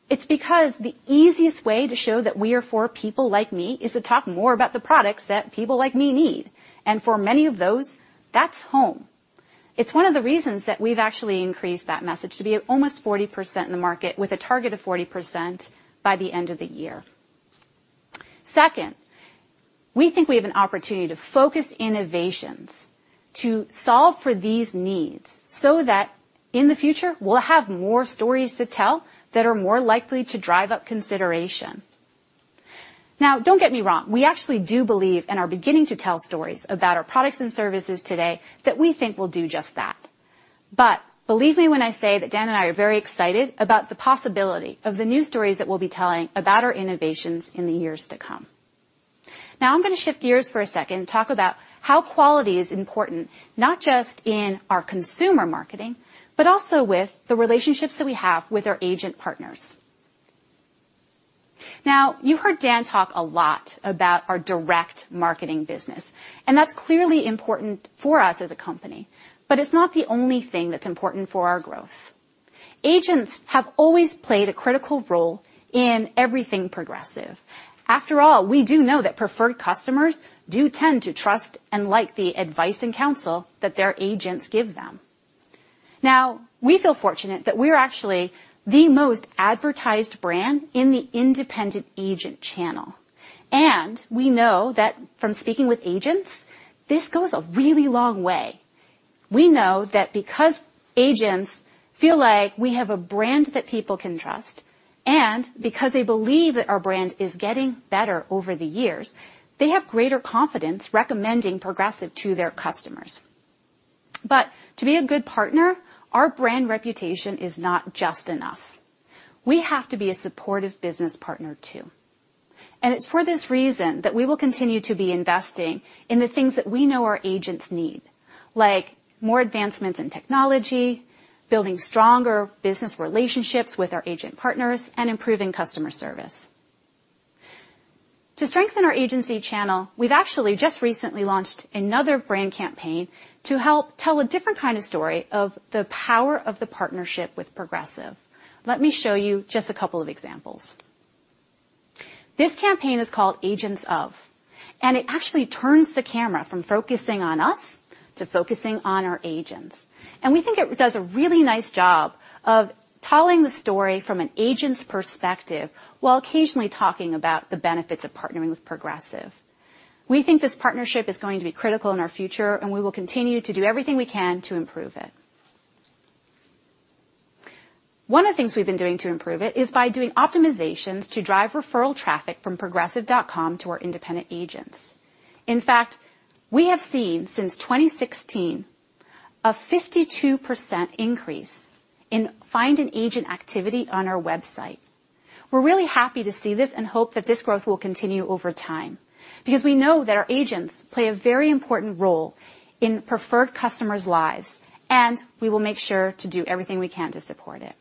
It's because the easiest way to show that we are for people like me is to talk more about the products that people like me need, and for many of those, that's home. It's one of the reasons that we've actually increased that message to be at almost 40% in the market with a target of 40% by the end of the year. Second, we think we have an opportunity to focus innovations to solve for these needs so that in the future, we'll have more stories to tell that are more likely to drive up consideration. Don't get me wrong, we actually do believe and are beginning to tell stories about our products and services today that we think will do just that. Believe me when I say that Dan and I are very excited about the possibility of the new stories that we'll be telling about our innovations in the years to come. I'm going to shift gears for a second and talk about how quality is important, not just in our consumer marketing, but also with the relationships that we have with our agent partners. You heard Dan talk a lot about our direct marketing business, and that's clearly important for us as a company, but it's not the only thing that's important for our growth. Agents have always played a critical role in everything Progressive. After all, we do know that preferred customers do tend to trust and like the advice and counsel that their agents give them. We feel fortunate that we are actually the most advertised brand in the independent agent channel, and we know that from speaking with agents, this goes a really long way. We know that because agents feel like we have a brand that people can trust, and because they believe that our brand is getting better over the years, they have greater confidence recommending Progressive to their customers. To be a good partner, our brand reputation is not just enough. We have to be a supportive business partner too. It's for this reason that we will continue to be investing in the things that we know our agents need, like more advancements in technology, building stronger business relationships with our agent partners, and improving customer service. To strengthen our agency channel, we've actually just recently launched another brand campaign to help tell a different kind of story of the power of the partnership with Progressive. Let me show you just a couple of examples. This campaign is called Agents Of, it actually turns the camera from focusing on us to focusing on our agents. We think it does a really nice job of telling the story from an agent's perspective while occasionally talking about the benefits of partnering with Progressive. We think this partnership is going to be critical in our future, we will continue to do everything we can to improve it. One of the things we've been doing to improve it is by doing optimizations to drive referral traffic from progressive.com to our independent agents. In fact, we have seen since 2016 a 52% increase in find an agent activity on our website. We're really happy to see this and hope that this growth will continue over time, because we know that our agents play a very important role in preferred customers' lives, and we will make sure to do everything we can to support it.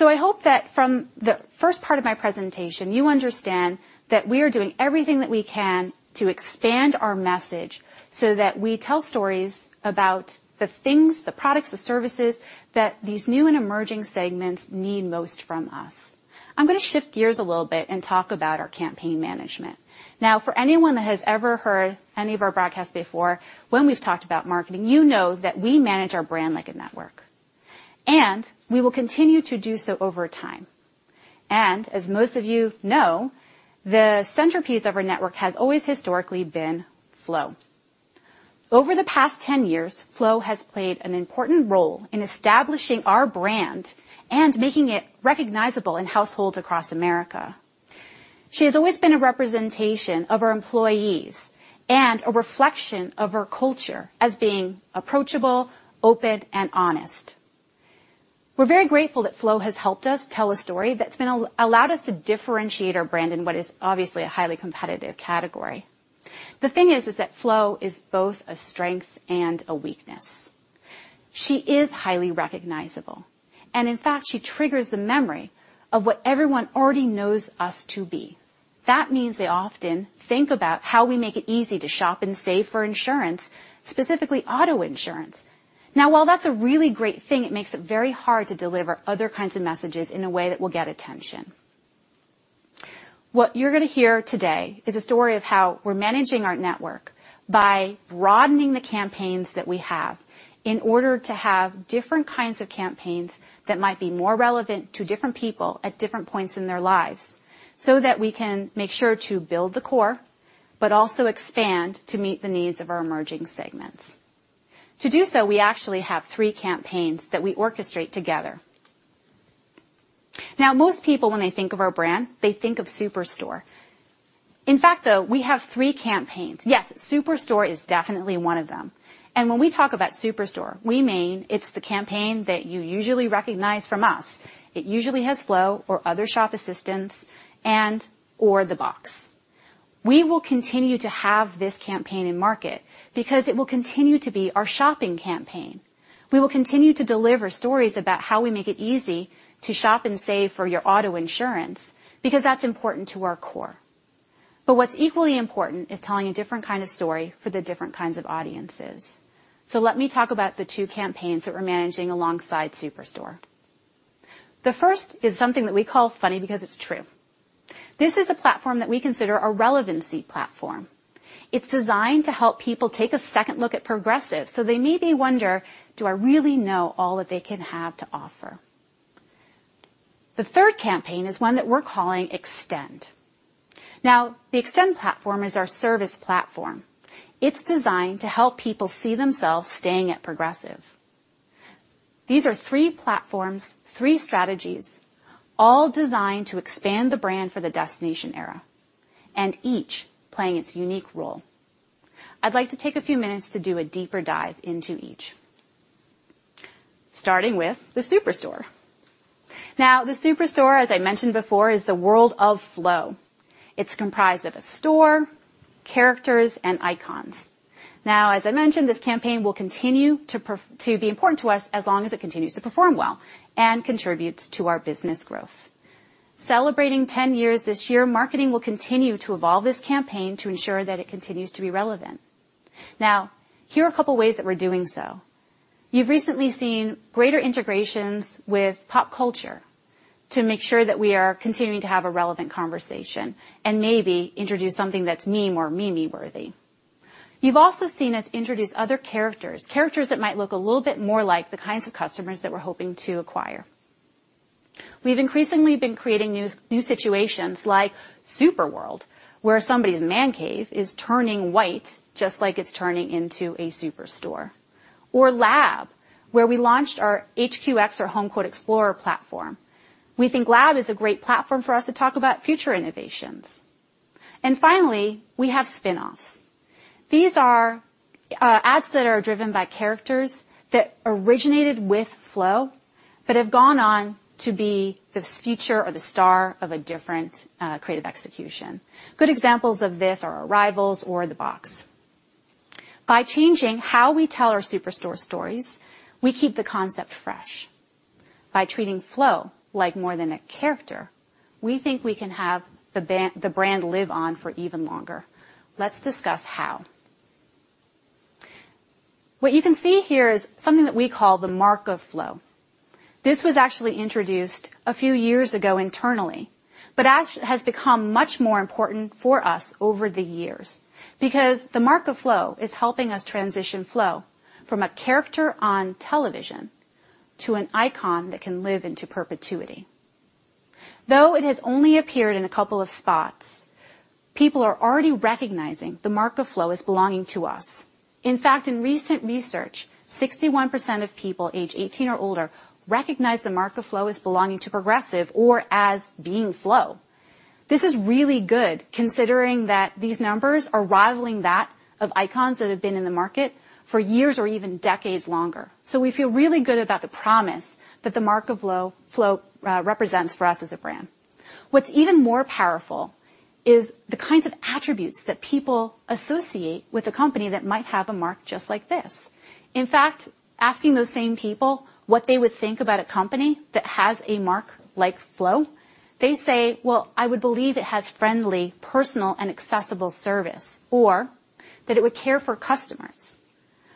I hope that from the first part of my presentation, you understand that we are doing everything that we can to expand our message so that we tell stories about the things, the products, the services that these new and emerging segments need most from us. I'm going to shift gears a little bit and talk about our campaign management. For anyone that has ever heard any of our broadcasts before, when we've talked about marketing, you know that we manage our brand like a network, and we will continue to do so over time. As most of you know, the centerpiece of our network has always historically been Flo. Over the past 10 years, Flo has played an important role in establishing our brand and making it recognizable in households across America. She has always been a representation of our employees and a reflection of our culture as being approachable, open, and honest. We're very grateful that Flo has helped us tell a story that's allowed us to differentiate our brand in what is obviously a highly competitive category. The thing is that Flo is both a strength and a weakness. She is highly recognizable, and in fact, she triggers the memory of what everyone already knows us to be. That means they often think about how we make it easy to shop and save for insurance, specifically auto insurance. While that's a really great thing, it makes it very hard to deliver other kinds of messages in a way that will get attention. What you're going to hear today is a story of how we're managing our network by broadening the campaigns that we have in order to have different kinds of campaigns that might be more relevant to different people at different points in their lives, so that we can make sure to build the core But also expand to meet the needs of our emerging segments. To do so, we actually have three campaigns that we orchestrate together. Most people, when they think of our brand, they think of Superstore. In fact, though, we have three campaigns. Yes, Superstore is definitely one of them. When we talk about Superstore, we mean it's the campaign that you usually recognize from us. It usually has Flo or other shop assistants and or The Box. We will continue to have this campaign in market because it will continue to be our shopping campaign. We will continue to deliver stories about how we make it easy to shop and save for your auto insurance, because that's important to our core. What's equally important is telling a different kind of story for the different kinds of audiences. Let me talk about the two campaigns that we're managing alongside Superstore. The first is something that we call Funny Because It's True. This is a platform that we consider a relevancy platform. It's designed to help people take a second look at Progressive, so they maybe wonder, do I really know all that they can have to offer? The third campaign is one that we're calling Extend. The Extend platform is our service platform. It's designed to help people see themselves staying at Progressive. These are three platforms, three strategies, all designed to expand the brand for the destination era, and each playing its unique role. I'd like to take a few minutes to do a deeper dive into each. Starting with the Superstore. The Superstore, as I mentioned before, is the world of Flo. It's comprised of a store, characters, and icons. As I mentioned, this campaign will continue to be important to us as long as it continues to perform well and contributes to our business growth. Celebrating 10 years this year, marketing will continue to evolve this campaign to ensure that it continues to be relevant. Here are a couple of ways that we're doing so. You've recently seen greater integrations with pop culture to make sure that we are continuing to have a relevant conversation and maybe introduce something that's meme or meme-worthy. You've also seen us introduce other characters that might look a little bit more like the kinds of customers that we're hoping to acquire. We've increasingly been creating new situations like Super World, where somebody's man cave is turning white just like it's turning into a Superstore. Lab, where we launched our HQX, or Home Quote Explorer platform. We think Lab is a great platform for us to talk about future innovations. Finally, we have spinoffs. These are ads that are driven by characters that originated with Flo, but have gone on to be this feature of the star of a different creative execution. Good examples of this are Arrivals or The Box. By changing how we tell our Superstore stories, we keep the concept fresh. By treating Flo like more than a character, we think we can have the brand live on for even longer. Let's discuss how. What you can see here is something that we call the Mark of Flo. This was actually introduced a few years ago internally, but has become much more important for us over the years because the Mark of Flo is helping us transition Flo from a character on television to an icon that can live into perpetuity. Though it has only appeared in a couple of spots, people are already recognizing the Mark of Flo as belonging to us. In fact, in recent research, 61% of people age 18 or older recognize the Mark of Flo as belonging to Progressive or as being Flo. This is really good considering that these numbers are rivaling that of icons that have been in the market for years or even decades longer. We feel really good about the promise that the Mark of Flo represents for us as a brand. What's even more powerful is the kinds of attributes that people associate with a company that might have a mark just like this. In fact, asking those same people what they would think about a company that has a mark like Flo, they say, "Well, I would believe it has friendly, personal, and accessible service," or that it would care for customers,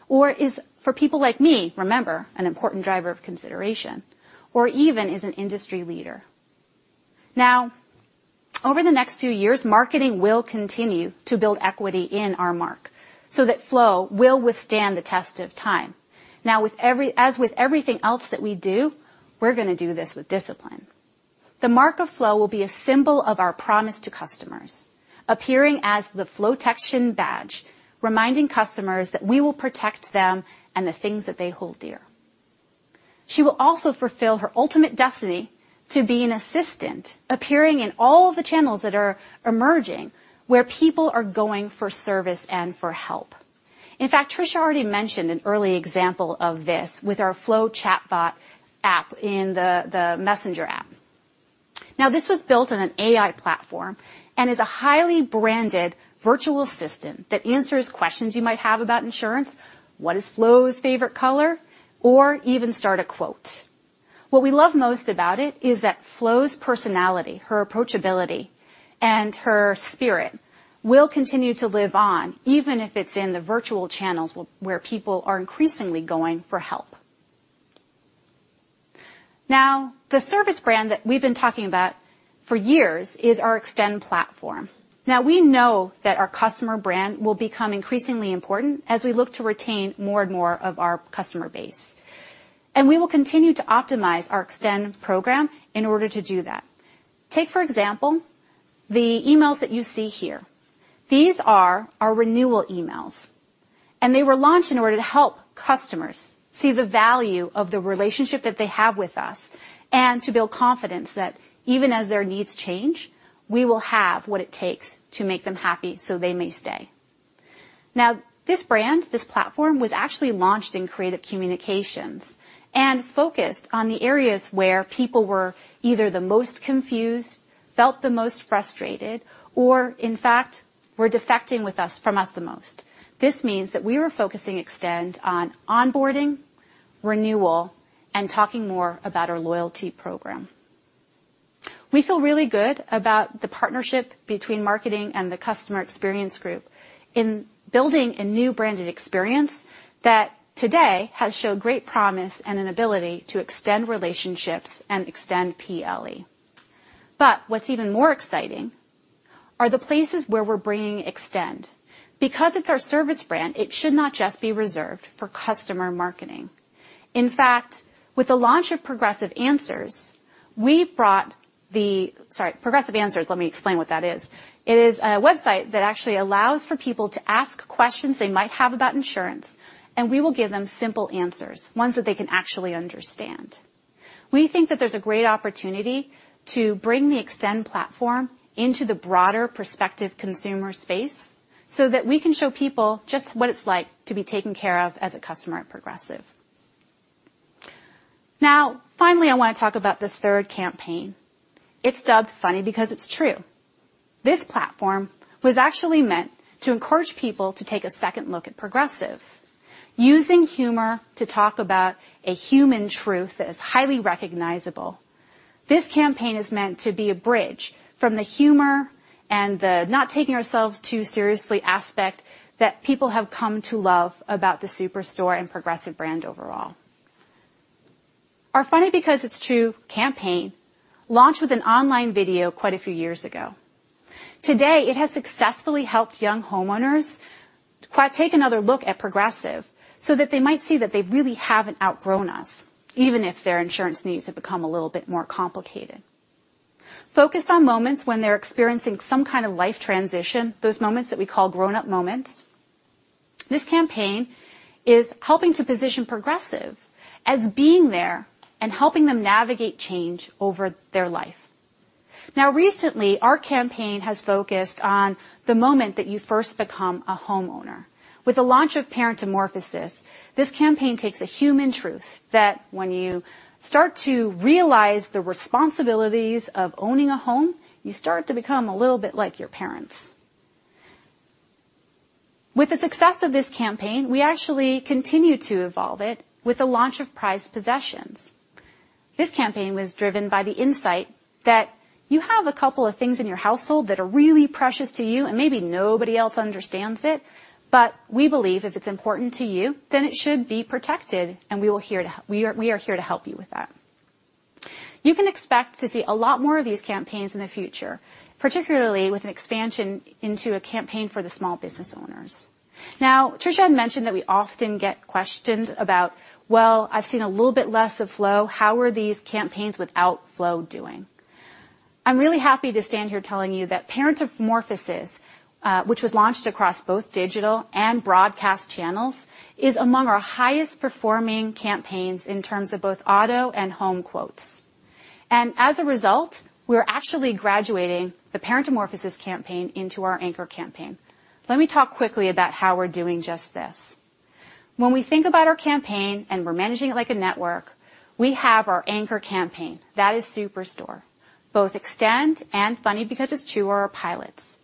or is for people like me, remember, an important driver of consideration, or even is an industry leader. Over the next few years, marketing will continue to build equity in our mark so that Flo will withstand the test of time. As with everything else that we do, we're going to do this with discipline. The Mark of Flo will be a symbol of our promise to customers, appearing as the Flotection badge, reminding customers that we will protect them and the things that they hold dear. She will also fulfill her ultimate destiny to be an assistant, appearing in all of the channels that are emerging, where people are going for service and for help. In fact, Tricia already mentioned an early example of this with our Flo chatbot app in the Messenger app. This was built on an AI platform and is a highly branded virtual assistant that answers questions you might have about insurance, what is Flo's favorite color, or even start a quote. What we love most about it is that Flo's personality, her approachability, and her spirit will continue to live on, even if it's in the virtual channels where people are increasingly going for help. The service brand that we've been talking about for years is our Extend platform. We know that our customer brand will become increasingly important as we look to retain more and more of our customer base. We will continue to optimize our Extend program in order to do that. Take, for example, the emails that you see here. These are our renewal emails, and they were launched in order to help customers see the value of the relationship that they have with us, and to build confidence that even as their needs change, we will have what it takes to make them happy so they may stay. This brand, this platform, was actually launched in creative communications and focused on the areas where people were either the most confused, felt the most frustrated, or in fact, were defecting from us the most. This means that we were focusing Extend on onboarding, renewal, and talking more about our loyalty program. We feel really good about the partnership between marketing and the customer experience group in building a new branded experience that today has shown great promise and an ability to extend relationships and extend PLE. What's even more exciting are the places where we're bringing Extend. Because it's our service brand, it should not just be reserved for customer marketing. In fact, with the launch of Progressive Answers, Sorry, let me explain what that is. It is a website that actually allows for people to ask questions they might have about insurance, and we will give them simple answers, ones that they can actually understand. We think that there's a great opportunity to bring the Extend platform into the broader prospective consumer space so that we can show people just what it's like to be taken care of as a customer at Progressive. Finally, I want to talk about the third campaign. It's dubbed Funny Because It's True. This platform was actually meant to encourage people to take a second look at Progressive, using humor to talk about a human truth that is highly recognizable. This campaign is meant to be a bridge from the humor and the not taking ourselves too seriously aspect that people have come to love about the Superstore and Progressive brand overall. Our Funny Because It's True campaign launched with an online video quite a few years ago. Today, it has successfully helped young homeowners take another look at Progressive so that they might see that they really haven't outgrown us, even if their insurance needs have become a little bit more complicated. Focused on moments when they're experiencing some kind of life transition, those moments that we call grown-up moments, this campaign is helping to position Progressive as being there and helping them navigate change over their life. Recently, our campaign has focused on the moment that you first become a homeowner. With the launch of Parentamorphosis, this campaign takes a human truth that when you start to realize the responsibilities of owning a home, you start to become a little bit like your parents. With the success of this campaign, we actually continue to evolve it with the launch of Prized Possessions. This campaign was driven by the insight that you have a couple of things in your household that are really precious to you, and maybe nobody else understands it, but we believe if it's important to you, then it should be protected, and we are here to help you with that. You can expect to see a lot more of these campaigns in the future, particularly with an expansion into a campaign for the small business owners. Tricia had mentioned that we often get questioned about, "Well, I've seen a little bit less of Flo. How are these campaigns without Flo doing?" I'm really happy to stand here telling you that Parentamorphosis, which was launched across both digital and broadcast channels, is among our highest performing campaigns in terms of both auto and home quotes. As a result, we're actually graduating the Parentamorphosis campaign into our anchor campaign. Let me talk quickly about how we're doing just this. When we think about our campaign and we're managing it like a network, we have our anchor campaign. That is Superstore. Both Extend and Funny Because It's True are our pilots.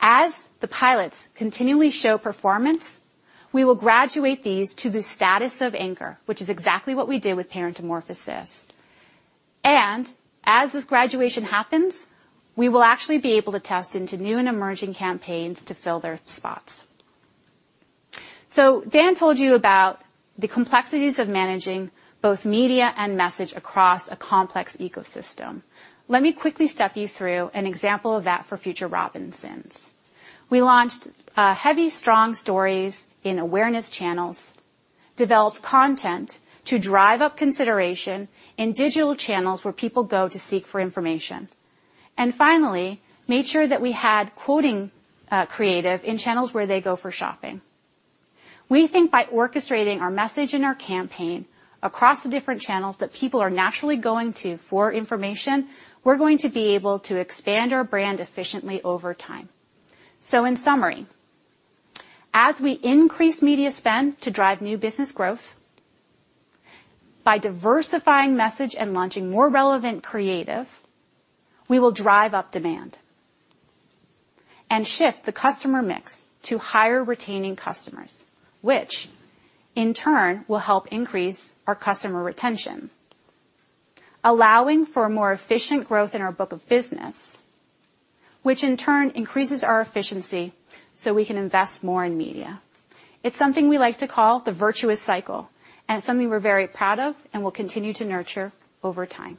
As the pilots continually show performance, we will graduate these to the status of anchor, which is exactly what we did with Parentamorphosis. As this graduation happens, we will actually be able to test into new and emerging campaigns to fill their spots. Dan told you about the complexities of managing both media and message across a complex ecosystem. Let me quickly step you through an example of that for future Robinsons. We launched heavy, strong stories in awareness channels, developed content to drive up consideration in digital channels where people go to seek for information, and finally, made sure that we had quoting creative in channels where they go for shopping. We think by orchestrating our message and our campaign across the different channels that people are naturally going to for information, we're going to be able to expand our brand efficiently over time. In summary, as we increase media spend to drive new business growth, by diversifying message and launching more relevant creative, we will drive up demand and shift the customer mix to higher retaining customers, which in turn will help increase our customer retention, allowing for more efficient growth in our book of business, which in turn increases our efficiency so we can invest more in media. It's something we like to call the virtuous cycle, and it's something we're very proud of and will continue to nurture over time.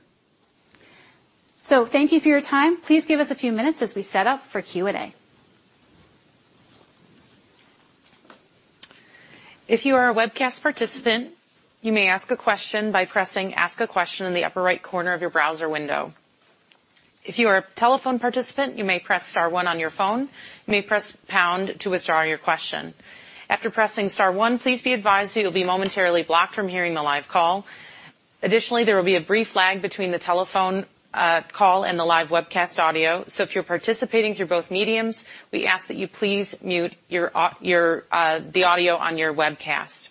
Thank you for your time. Please give us a few minutes as we set up for Q&A. If you are a webcast participant, you may ask a question by pressing Ask a Question in the upper right corner of your browser window. If you are a telephone participant, you may press star one on your phone. You may press pound to withdraw your question. After pressing star one, please be advised that you'll be momentarily blocked from hearing the live call. Additionally, there will be a brief lag between the telephone call and the live webcast audio. If you're participating through both mediums, we ask that you please mute the audio on your webcast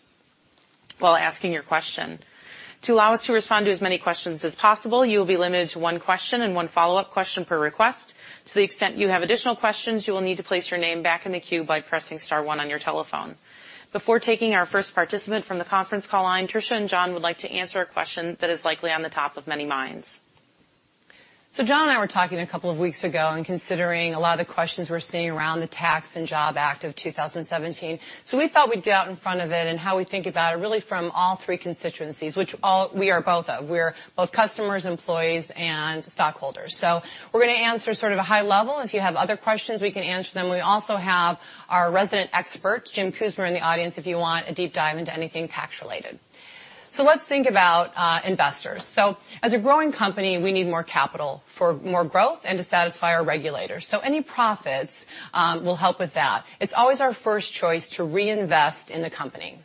while asking your question. To allow us to respond to as many questions as possible, you will be limited to one question and one follow-up question per request. To the extent you have additional questions, you will need to place your name back in the queue by pressing star one on your telephone. Before taking our first participant from the conference call line, Tricia and John would like to answer a question that is likely on the top of many minds. John and I were talking a couple of weeks ago and considering a lot of the questions we're seeing around the Tax and Job Act of 2017. We thought we'd get out in front of it and how we think about it really from all three constituencies, which we are both of. We're both customers, employees, and stockholders. We're going to answer sort of a high level. If you have other questions, we can answer them. We also have our resident expert, Jim Kusmer, in the audience if you want a deep dive into anything tax-related. Let's think about investors. As a growing company, we need more capital for more growth and to satisfy our regulators. Any profits will help with that. It's always our first choice to reinvest in the company.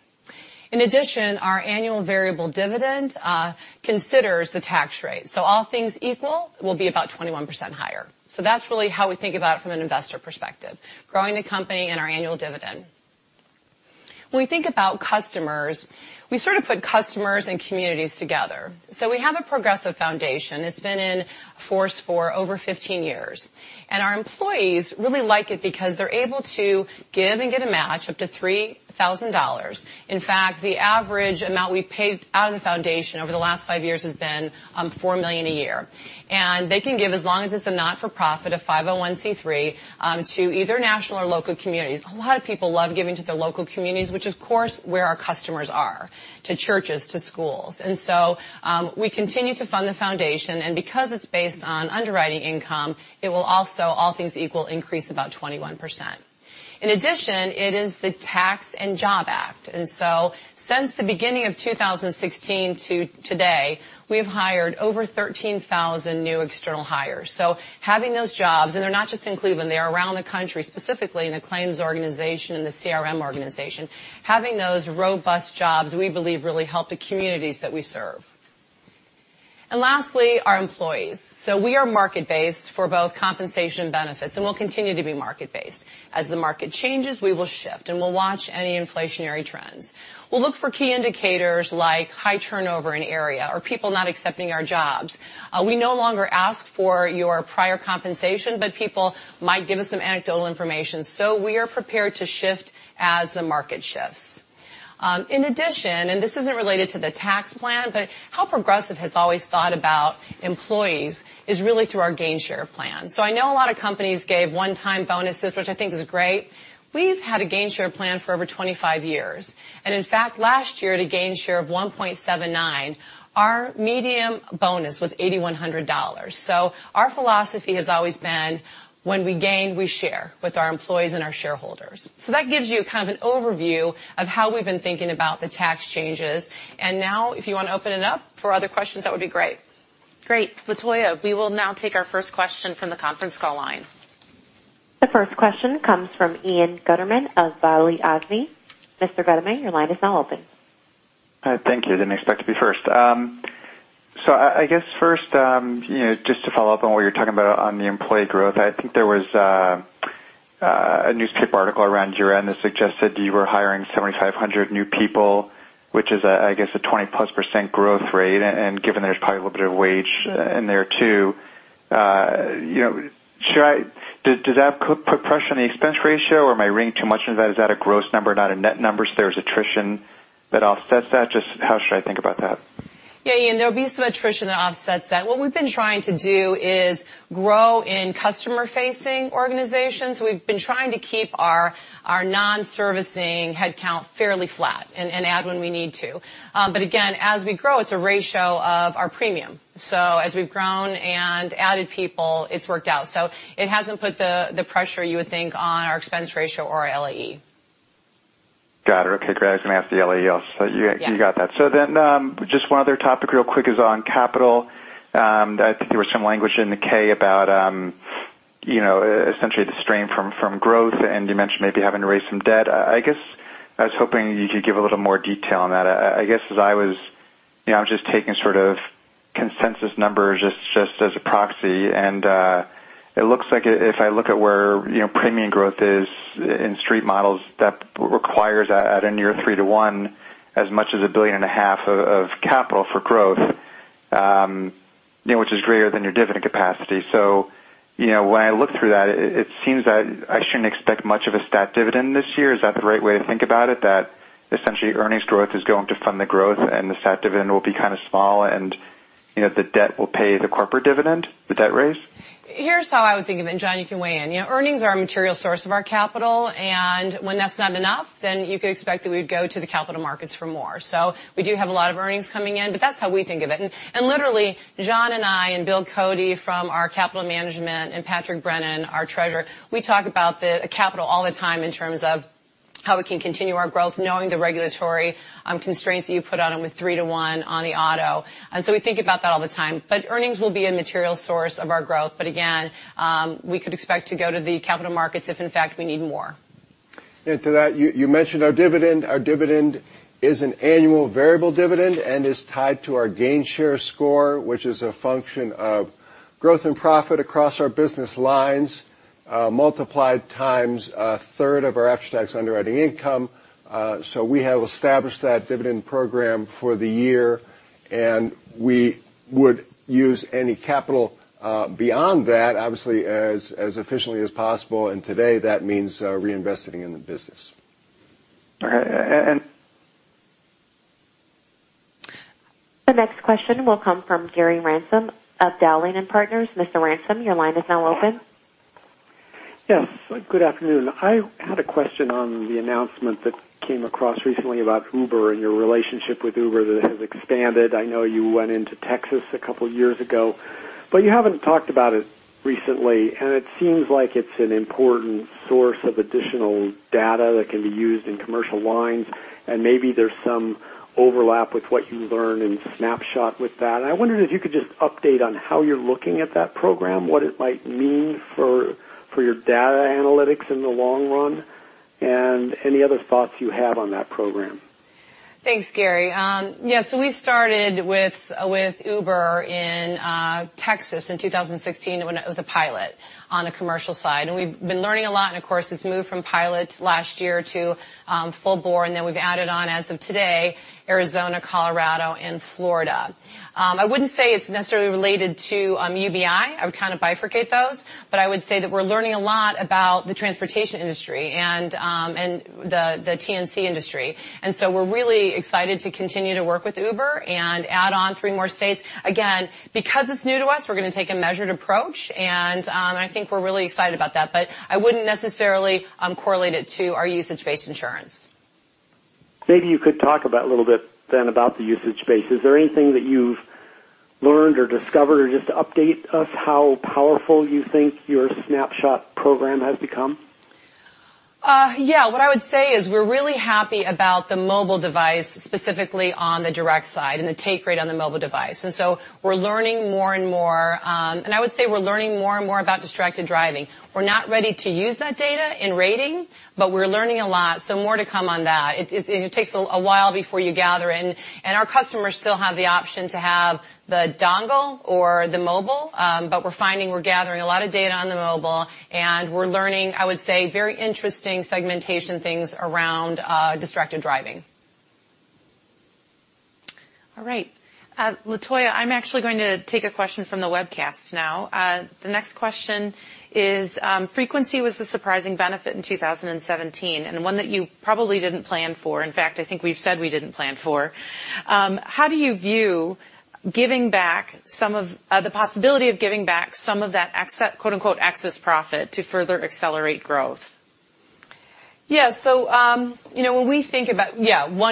In addition, our annual variable dividend considers the tax rate, all things equal will be about 21% higher. That's really how we think about it from an investor perspective, growing the company and our annual dividend. When we think about customers, we sort of put customers and communities together. We have a Progressive Foundation. It's been in force for over 15 years, and our employees really like it because they're able to give and get a match up to $3,000. In fact, the average amount we've paid out of the foundation over the last five years has been $4 million a year. They can give as long as it's a not-for-profit, a 501(c)(3), to either national or local communities. A lot of people love giving to their local communities, which of course, where our customers are, to churches, to schools. We continue to fund the foundation, and because it's based on underwriting income, it will also, all things equal, increase about 21%. In addition, it is the Tax and Job Act. Since the beginning of 2016 to today, we've hired over 13,000 new external hires. Having those jobs, and they're not just in Cleveland, they're around the country, specifically in the claims organization and the CRM organization. Having those robust jobs, we believe really help the communities that we serve. Lastly, our employees. We are market-based for both compensation and benefits, and we'll continue to be market-based. As the market changes, we will shift, and we'll watch any inflationary trends. We'll look for key indicators like high turnover in area or people not accepting our jobs. We no longer ask for your prior compensation, but people might give us some anecdotal information, we are prepared to shift as the market shifts. In addition, and this isn't related to the tax plan, but how Progressive has always thought about employees is really through our gainshare plan. I know a lot of companies gave one-time bonuses, which I think is great. We've had a gainshare plan for over 25 years, and in fact, last year at a gainshare of 1.79, our medium bonus was $8,100. Our philosophy has always been, when we gain, we share with our employees and our shareholders. That gives you kind of an overview of how we've been thinking about the tax changes. Now if you want to open it up for other questions, that would be great. Great. Latoya, we will now take our first question from the conference call line. The first question comes from Ian Gutterman of Balyasny Asset Management. Mr. Gutterman, your line is now open. Thank you. I didn't expect to be first. I guess first, just to follow up on what you're talking about on the employee growth, I think there was a newspaper article around year-end that suggested you were hiring 7,500 new people, which is, I guess, a 20%+ growth rate, and given there's probably a little bit of wage in there too. Does that put pressure on the expense ratio, or am I reading too much into that? Is that a gross number, not a net number, so there's attrition that offsets that? Just how should I think about that? Yes, Ian, there'll be some attrition that offsets that. What we've been trying to do is grow in customer-facing organizations. We've been trying to keep our non-servicing headcount fairly flat and add when we need to. Again, as we grow, it's a ratio of our premium. As we've grown and added people, it's worked out. It hasn't put the pressure you would think on our expense ratio or our LAE. Got it. Okay, great. I was going to ask the LAE also. You got that. Yeah. Just one other topic real quick is on capital. I think there was some language in the 10-K about essentially the strain from growth, and you mentioned maybe having to raise some debt. I guess I was hoping you could give a little more detail on that. I guess as I was just taking sort of consensus numbers just as a proxy, and it looks like if I look at where premium growth is in street models, that requires at a near three to one as much as a billion and a half of capital for growth, which is greater than your dividend capacity. When I look through that, it seems that I shouldn't expect much of a stat dividend this year. Is that the right way to think about it? That essentially earnings growth is going to fund the growth and the stat dividend will be kind of small and the debt will pay the corporate dividend, the debt raise? Here's how I would think of it, John, you can weigh in. Earnings are a material source of our capital, and when that's not enough, then you could expect that we'd go to the capital markets for more. We do have a lot of earnings coming in, but that's how we think of it. Literally, John and I and Bill Cody from our capital management and Patrick Brennan, our treasurer, we talk about the capital all the time in terms of how we can continue our growth knowing the regulatory constraints that you put on them with three to one on the auto. We think about that all the time. Earnings will be a material source of our growth. Again, we could expect to go to the capital markets if in fact we need more. To that, you mentioned our dividend. Our dividend is an annual variable dividend and is tied to our gainshare score, which is a function of growth and profit across our business lines, multiplied times a third of our after-tax underwriting income. We have established that dividend program for the year, and we would use any capital beyond that, obviously as efficiently as possible. Today, that means reinvesting in the business. Okay. The next question will come from Gary Ransom of Dowling & Partners. Mr. Ransom, your line is now open. Yes. Good afternoon. I had a question on the announcement that came across recently about Uber and your relationship with Uber that has expanded. I know you went into Texas a couple of years ago, but you haven't talked about it recently, and it seems like it's an important source of additional data that can be used in commercial lines, and maybe there's some overlap with what you learn in Snapshot with that. I wondered if you could just update on how you're looking at that program, what it might mean for your data analytics in the long run, and any other thoughts you have on that program. Thanks, Gary. Yeah, we started with Uber in Texas in 2016 when it was a pilot on the commercial side. We've been learning a lot. Of course, it's moved from pilot last year to full bore. We've added on, as of today, Arizona, Colorado and Florida. I wouldn't say it's necessarily related to UBI. I would kind of bifurcate those. I would say that we're learning a lot about the transportation industry and the TNC industry. We're really excited to continue to work with Uber and add on three more states. Again, because it's new to us, we're going to take a measured approach, and I think we're really excited about that. I wouldn't necessarily correlate it to our usage-based insurance. Maybe you could talk about a little bit then about the usage-based. Is there anything that you've learned or discovered or just update us how powerful you think your Snapshot program has become? Yeah. What I would say is we're really happy about the mobile device, specifically on the direct side and the take rate on the mobile device. We're learning more and more, and I would say we're learning more and more about distracted driving. We're not ready to use that data in rating, but we're learning a lot. More to come on that. It takes a while before you gather and our customers still have the option to have the dongle or the mobile, but we're finding we're gathering a lot of data on the mobile and we're learning, I would say, very interesting segmentation things around distracted driving. All right. Latoya, I'm actually going to take a question from the webcast now. The next question is, frequency was the surprising benefit in 2017 and one that you probably didn't plan for. In fact, I think we've said we didn't plan for. How do you view the possibility of giving back some of that quote-unquote, "excess profit" to further accelerate growth? Yeah. One,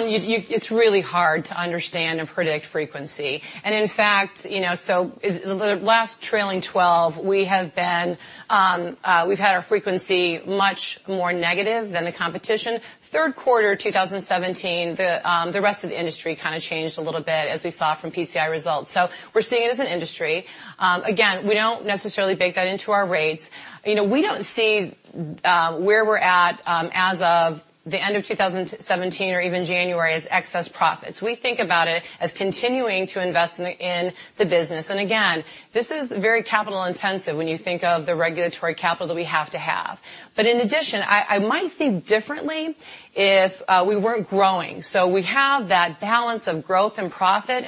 it's really hard to understand and predict frequency. In fact, the last trailing 12, we've had our frequency much more negative than the competition. Third quarter 2017, the rest of the industry kind of changed a little bit as we saw from PCI results. We're seeing it as an industry. Again, we don't necessarily bake that into our rates. We don't see where we're at as of the end of 2017 or even January as excess profits. We think about it as continuing to invest in the business. Again, this is very capital intensive when you think of the regulatory capital that we have to have. In addition, I might think differently if we weren't growing. We have that balance of growth and profit,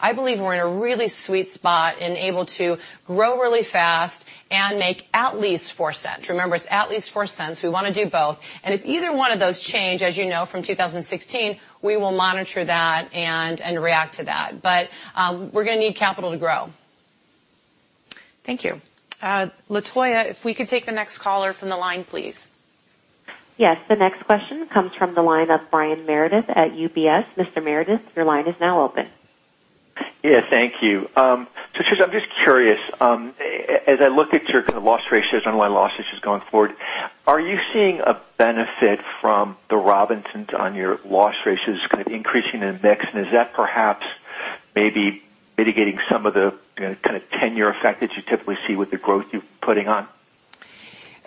I believe we're in a really sweet spot and able to grow really fast and make at least $0.04. Remember, it's at least $0.04. We want to do both. If either one of those change, as you know from 2016, we will monitor that and react to that. We're going to need capital to grow. Thank you. Latoya, if we could take the next caller from the line, please. Yes. The next question comes from the line of Brian Meredith at UBS. Mr. Meredith, your line is now open. Yeah. Thank you. Susan, I'm just curious, as I look at your kind of loss ratios, underlying loss ratios going forward, are you seeing a benefit from the Robinsons on your loss ratios kind of increasing in the mix? Is that perhaps maybe mitigating some of the kind of tenure effect that you typically see with the growth you're putting on?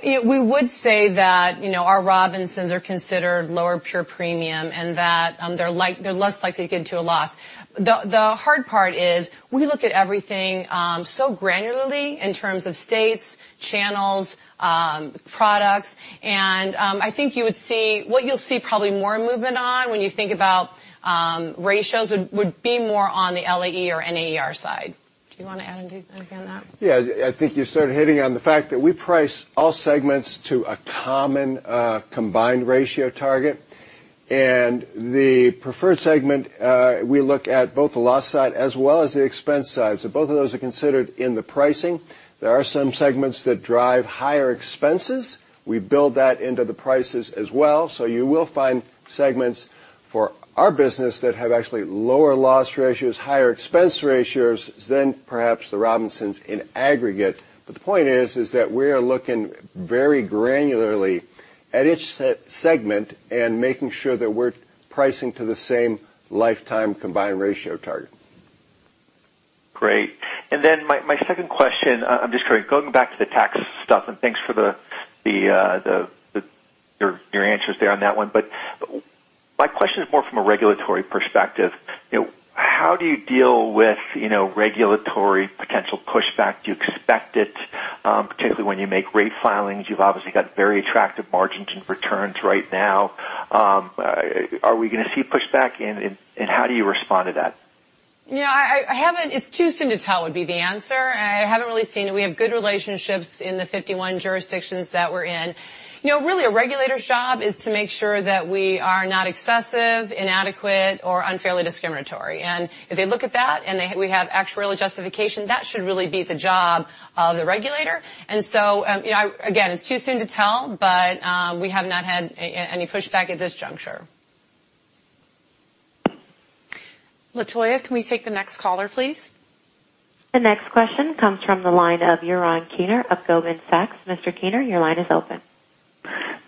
We would say that our Robinsons are considered lower pure premium and that they're less likely to get into a loss. The hard part is we look at everything so granularly in terms of states, channels, products, and I think what you'll see probably more movement on when you think about ratios would be more on the LAE or NAER side. Do you want to add anything on that? Yeah, I think you started hitting on the fact that we price all segments to a common combined ratio target. The preferred segment, we look at both the loss side as well as the expense side. Both of those are considered in the pricing. There are some segments that drive higher expenses. We build that into the prices as well. You will find segments for our business that have actually lower loss ratios, higher expense ratios than perhaps the Robinsons in aggregate. The point is that we are looking very granularly at each segment and making sure that we're pricing to the same lifetime combined ratio target. Great. My second question, I'm just going back to the tax stuff, and thanks for your answers there on that one. My question is more from a regulatory perspective. How do you deal with regulatory potential pushback? Do you expect it? Particularly when you make rate filings, you've obviously got very attractive margins and returns right now. Are we going to see pushback, and how do you respond to that? It's too soon to tell, would be the answer. I haven't really seen it. We have good relationships in the 51 jurisdictions that we're in. Really, a regulator's job is to make sure that we are not excessive, inadequate, or unfairly discriminatory. If they look at that and we have actuarial justification, that should really be the job of the regulator. Again, it's too soon to tell, but we have not had any pushback at this juncture. Latoya, can we take the next caller, please? The next question comes from the line of Yaron Kinar of Goldman Sachs. Mr. Kinar, your line is open.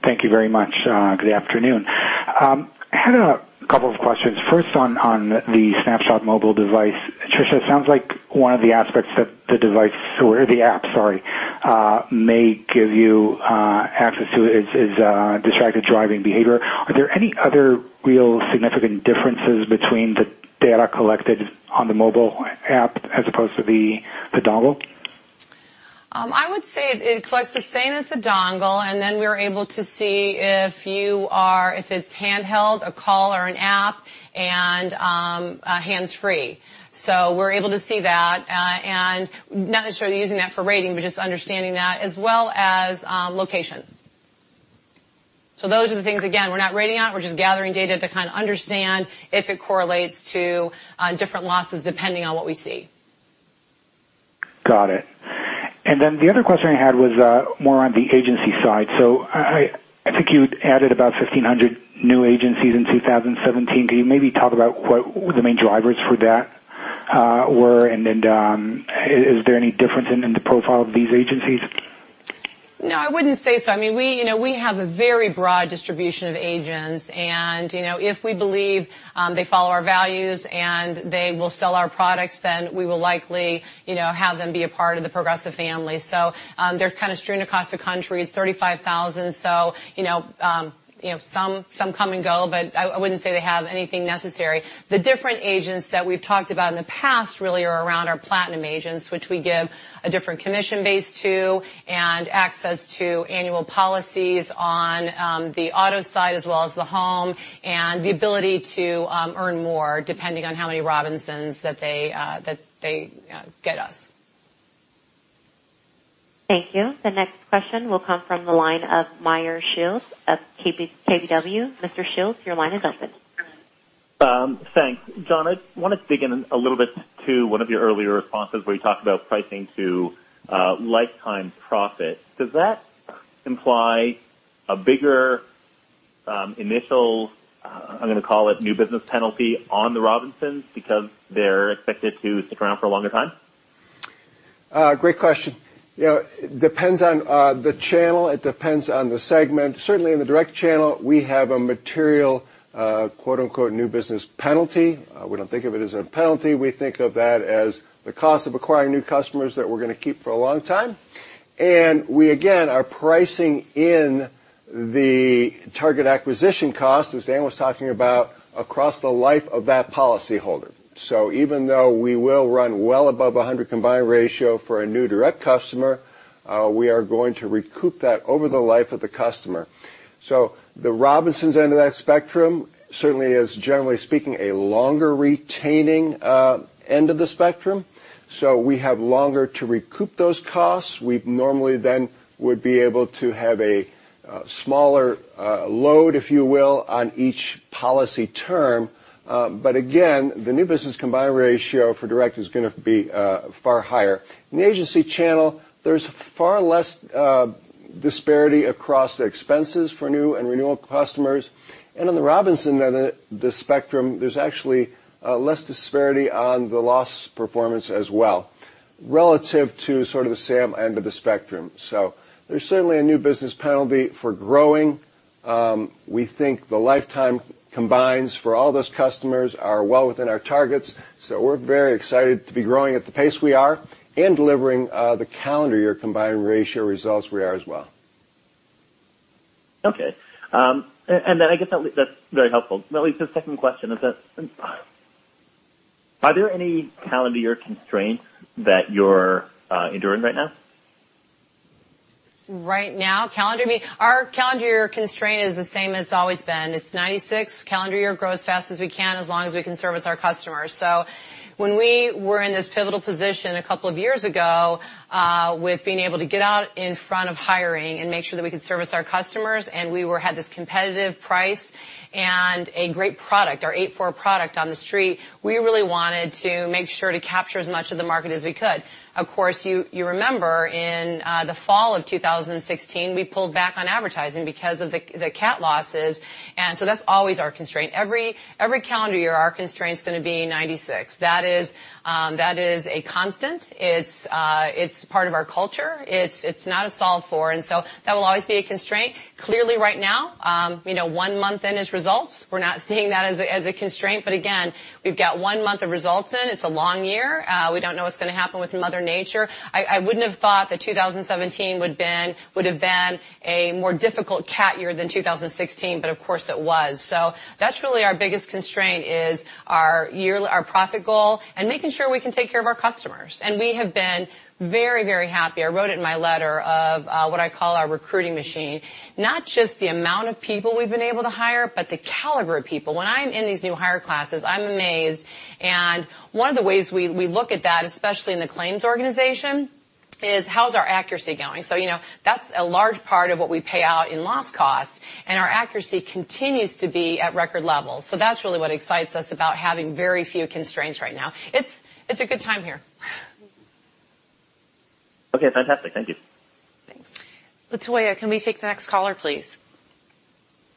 Thank you very much. Good afternoon. I had a couple of questions. First, on the Snapshot mobile device. Tricia, it sounds like one of the aspects that the app may give you access to is distracted driving behavior. Are there any other real significant differences between the data collected on the mobile app as opposed to the dongle? I would say it collects the same as the dongle, and then we are able to see if it's handheld, a call or an app, and hands-free. We're able to see that. Not necessarily using that for rating, but just understanding that as well as location. Those are the things, again, we're not rating on, we're just gathering data to kind of understand if it correlates to different losses depending on what we see. Got it. The other question I had was more on the agency side. I think you added about 1,500 new agencies in 2017. Can you maybe talk about what the main drivers for that were? Is there any difference in the profile of these agencies? No, I wouldn't say so. We have a very broad distribution of agents, and if we believe they follow our values and they will sell our products, then we will likely have them be a part of the Progressive family. They're kind of strewn across the country. It's 35,000, so some come and go, but I wouldn't say they have anything necessary. The different agents that we've talked about in the past really are around our platinum agents, which we give a different commission base to and access to annual policies on the auto side as well as the home, and the ability to earn more depending on how many Robinsons that they get us. Thank you. The next question will come from the line of Meyer Shields of KBW. Mr. Shields, your line is open. Thanks. John, I want to dig in a little bit to one of your earlier responses where you talked about pricing to lifetime profit. Does that imply a bigger initial, I'm going to call it new business penalty on the Robinsons because they're expected to stick around for a longer time? Great question. Depends on the channel, it depends on the segment. Certainly in the direct channel, we have a material "new business penalty." We don't think of it as a penalty. We think of that as the cost of acquiring new customers that we're going to keep for a long time. We again are pricing in the target acquisition cost, as Dan was talking about, across the life of that policyholder. Even though we will run well above 100 combined ratio for a new direct customer, we are going to recoup that over the life of the customer. The Robinsons end of that spectrum certainly is, generally speaking, a longer retaining end of the spectrum. We have longer to recoup those costs. We normally then would be able to have a smaller load, if you will, on each policy term. Again, the new business combined ratio for direct is going to be far higher. In the agency channel, there's far less disparity across the expenses for new and renewal customers. On the Robinsons end of the spectrum, there's actually less disparity on the loss performance as well relative to sort of the same end of the spectrum. There's certainly a new business penalty for growing. We think the lifetime combines for all those customers are well within our targets. We're very excited to be growing at the pace we are and delivering the calendar year combined ratio results we are as well. Okay. I guess that's very helpful. Maybe just second question is that, are there any calendar year constraints that you're enduring right now? Right now? Our calendar year constraint is the same as it's always been. It's 96 calendar year grow as fast as we can, as long as we can service our customers. When we were in this pivotal position a couple of years ago with being able to get out in front of hiring and make sure that we could service our customers, and we had this competitive price and a great product, our 8-4 product on the street, we really wanted to make sure to capture as much of the market as we could. Of course, you remember in the fall of 2016, we pulled back on advertising because of the cat losses, that's always our constraint. Every calendar year, our constraint is going to be 96. That is a constant. It's part of our culture. It's not a solve for, that will always be a constraint. Clearly, right now, one month in its results, we're not seeing that as a constraint, but again, we've got one month of results in. It's a long year. We don't know what's going to happen with Mother Nature. I wouldn't have thought that 2017 would have been a more difficult cat year than 2016, but of course it was. That's really our biggest constraint is our profit goal and making sure we can take care of our customers. We have been very, very happy. I wrote it in my letter of what I call our recruiting machine. Not just the amount of people we've been able to hire, but the caliber of people. When I'm in these new hire classes, I'm amazed. One of the ways we look at that, especially in the claims organization Is how's our accuracy going? That's a large part of what we pay out in loss cost, and our accuracy continues to be at record levels. That's really what excites us about having very few constraints right now. It's a good time here. Okay, fantastic. Thank you. Thanks. Latoya, can we take the next caller, please?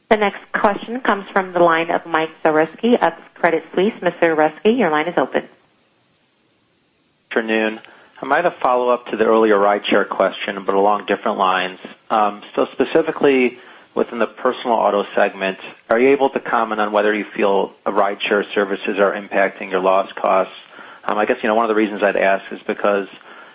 The next question comes from the line of Mike Zaremski of Credit Suisse. Mr. Zaremski, your line is open. Afternoon. I might have follow up to the earlier rideshare question, but along different lines. Specifically within the personal auto segment, are you able to comment on whether you feel rideshare services are impacting your loss costs? I guess one of the reasons I'd ask is because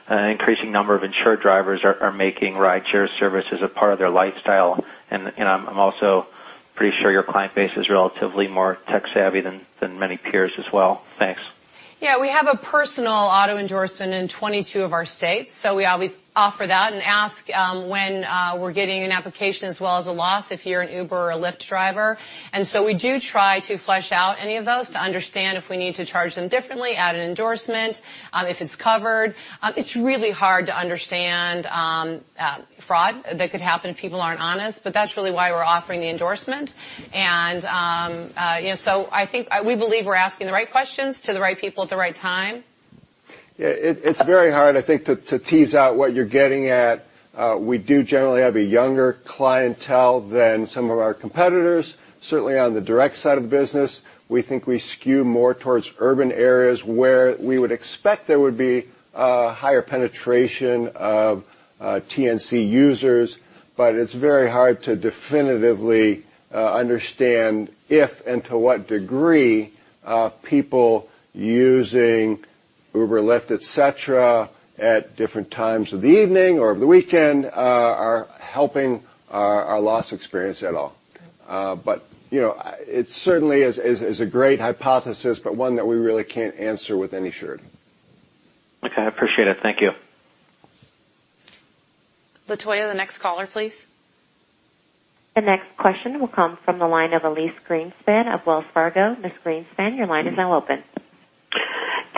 an increasing number of insured drivers are making rideshare services a part of their lifestyle, and I'm also pretty sure your client base is relatively more tech savvy than many peers as well. Thanks. Yeah, we have a personal auto endorsement in 22 of our states. We always offer that and ask when we're getting an application as well as a loss if you're an Uber or a Lyft driver. We do try to flesh out any of those to understand if we need to charge them differently, add an endorsement, if it's covered. It's really hard to understand fraud that could happen if people aren't honest. That's really why we're offering the endorsement. I think we believe we're asking the right questions to the right people at the right time. Yeah, it's very hard, I think, to tease out what you're getting at. We do generally have a younger clientele than some of our competitors. Certainly, on the direct side of the business, we think we skew more towards urban areas where we would expect there would be higher penetration of TNC users. It's very hard to definitively understand if and to what degree people using Uber or Lyft, et cetera, at different times of the evening or of the weekend are helping our loss experience at all. It certainly is a great hypothesis, but one that we really can't answer with any surety. Okay. I appreciate it. Thank you. Latoya, the next caller, please. The next question will come from the line of Elyse Greenspan of Wells Fargo. Ms. Greenspan, your line is now open.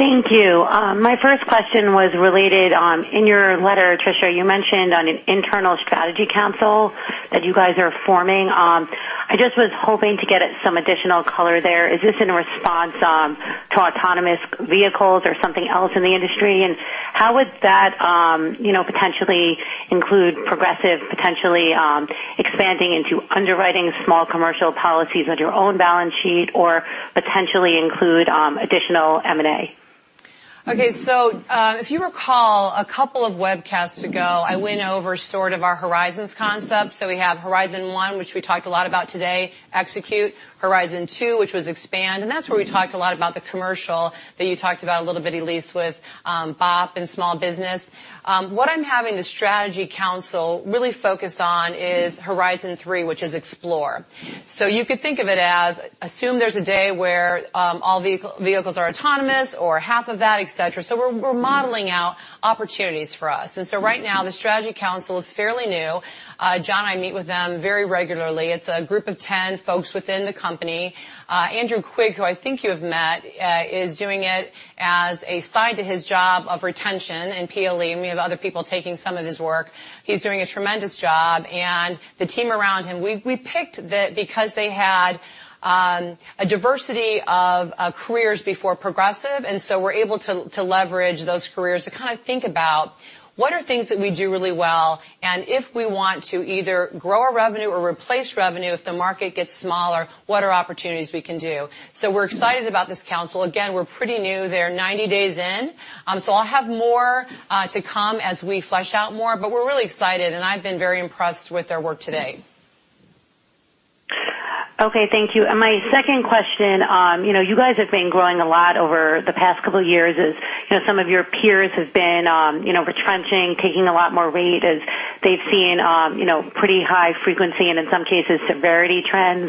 Thank you. My first question was related on, in your letter, Tricia, you mentioned on an internal strategy council that you guys are forming. I just was hoping to get at some additional color there. Is this in response to autonomous vehicles or something else in the industry? How would that potentially include Progressive potentially expanding into underwriting small commercial policies on your own balance sheet or potentially include additional M&A? Okay. If you recall, a couple of webcasts ago, I went over sort of our horizons concept. We have horizon one, which we talked a lot about today, execute. Horizon two, which was expand, and that's where we talked a lot about the commercial that you talked about a little bit, Elyse, with BOP and small business. What I'm having the strategy council really focus on is horizon three, which is explore. You could think of it as assume there's a day where all vehicles are autonomous or half of that, et cetera. We're modeling out opportunities for us, right now the strategy council is fairly new. John and I meet with them very regularly. It's a group of 10 folks within the company. Andrew Quigg, who I think you have met, is doing it as a side to his job of retention and PLE. We have other people taking some of his work. He's doing a tremendous job, and the team around him, we picked because they had a diversity of careers before Progressive. We're able to leverage those careers to kind of think about what are things that we do really well, and if we want to either grow our revenue or replace revenue if the market gets smaller, what are opportunities we can do? We're excited about this council. Again, we're pretty new. They're 90 days in, I'll have more to come as we flesh out more. We're really excited, and I've been very impressed with their work today. Okay, thank you. My second question, you guys have been growing a lot over the past couple of years as some of your peers have been retrenching, taking a lot more rate as they've seen pretty high frequency and in some cases, severity trends.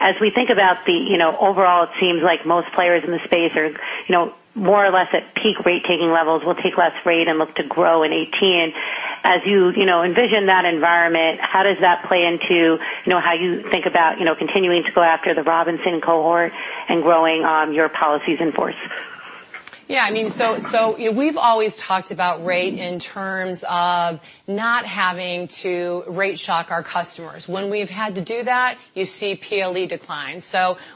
As we think about the overall, it seems like most players in the space are more or less at peak rate-taking levels, will take less rate and look to grow in 2018. As you envision that environment, how does that play into how you think about continuing to go after the Robinson cohort and growing your policies in force? Yeah. We've always talked about rate in terms of not having to rate shock our customers. When we've had to do that, you see PLE decline.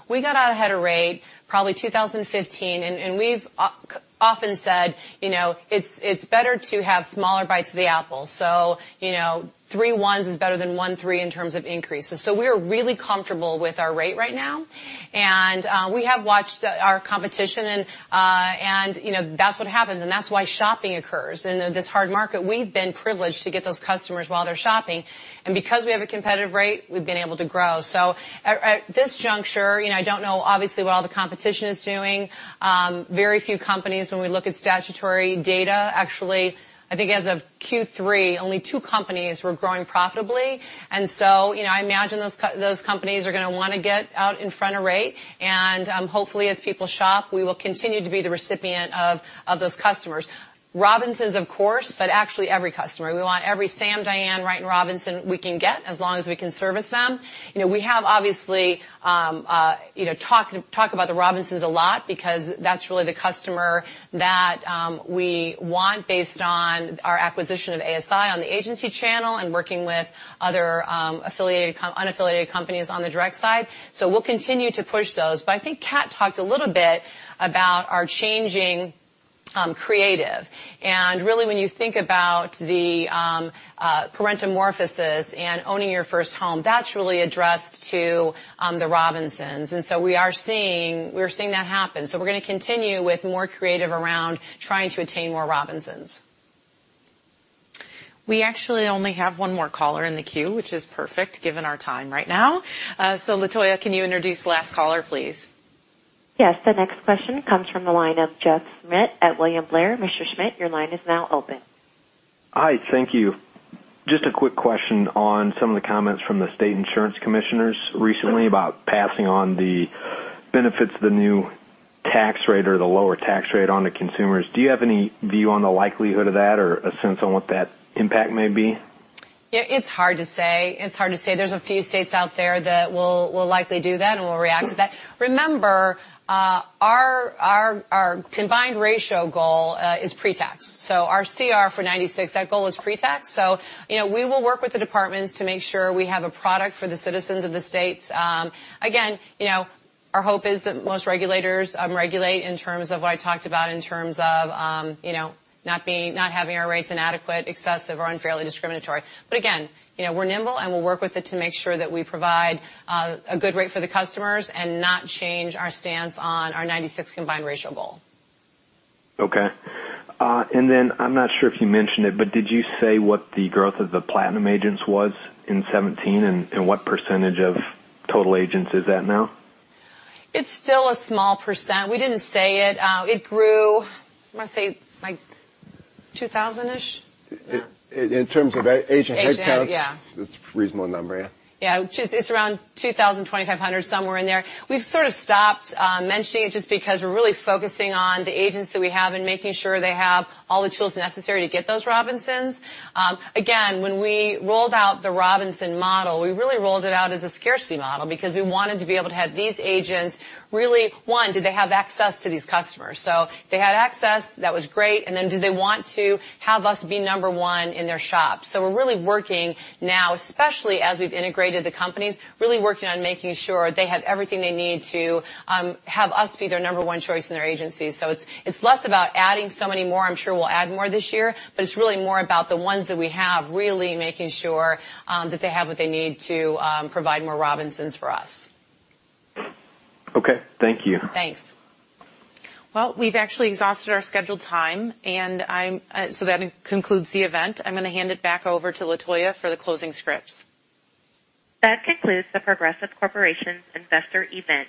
We got out ahead of rate probably 2015, and we've often said it's better to have smaller bites of the apple. Three ones is better than one three in terms of increases. We're really comfortable with our rate right now, and we have watched our competition and that's what happens, and that's why shopping occurs. In this hard market, we've been privileged to get those customers while they're shopping, and because we have a competitive rate, we've been able to grow. At this juncture, I don't know obviously what all the competition is doing. Very few companies when we look at statutory data, actually, I think as of Q3, only two companies were growing profitably, so I imagine those companies are going to want to get out in front of rate, hopefully as people shop, we will continue to be the recipient of those customers. Robinsons, of course, but actually every customer. We want every Sam, Diane, and Robinson we can get as long as we can service them. We have obviously talked about the Robinsons a lot because that's really the customer that we want based on our acquisition of ASI on the agency channel and working with other unaffiliated companies on the direct side. We'll continue to push those. I think Cat talked a little bit about our changing Creative. Really when you think about the Parentamorphosis and owning your first home, that's really addressed to the Robinsons. We are seeing that happen. We're going to continue with more creative around trying to attain more Robinsons. We actually only have one more caller in the queue, which is perfect given our time right now. Latoya, can you introduce the last caller, please? Yes. The next question comes from the line of Jeff Schmitt at William Blair. Mr. Schmidt, your line is now open. Hi, thank you. Just a quick question on some of the comments from the state insurance commissioners recently about passing on the benefits of the new tax rate or the lower tax rate on the consumers. Do you have any view on the likelihood of that or a sense on what that impact may be? It's hard to say. There's a few states out there that will likely do that, and we'll react to that. Remember, our combined ratio goal is pre-tax. Our CR for 96, that goal is pre-tax. We will work with the departments to make sure we have a product for the citizens of the states. Again, our hope is that most regulators regulate in terms of what I talked about in terms of not having our rates inadequate, excessive, or unfairly discriminatory. Again, we're nimble, and we'll work with it to make sure that we provide a good rate for the customers and not change our stance on our 96 combined ratio goal. Then, I'm not sure if you mentioned it, but did you say what the growth of the platinum agents was in 2017, and what % of total agents is that now? It's still a small %. We didn't say it. It grew, I want to say, like, 2,000-ish. In terms of agent headcounts- Agents, yeah it's a reasonable number, yeah. Yeah. It's around 2,000, 2,500, somewhere in there. We've sort of stopped mentioning it just because we're really focusing on the agents that we have and making sure they have all the tools necessary to get those Robinsons. Again, when we rolled out the Robinson model, we really rolled it out as a scarcity model because we wanted to be able to have these agents really, one, do they have access to these customers? They had access, that was great, and then do they want to have us be number one in their shop? We're really working now, especially as we've integrated the companies, really working on making sure they have everything they need to have us be their number one choice in their agency. It's less about adding so many more. I'm sure we'll add more this year, It's really more about the ones that we have, really making sure that they have what they need to provide more Robinsons for us. Okay. Thank you. Thanks. Well, we've actually exhausted our scheduled time, so that concludes the event. I'm going to hand it back over to Latoya for the closing scripts. That concludes The Progressive Corporation Investor event.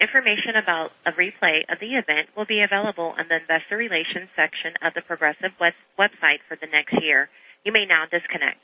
Information about a replay of the event will be available in the investor relations section of the Progressive website for the next year. You may now disconnect.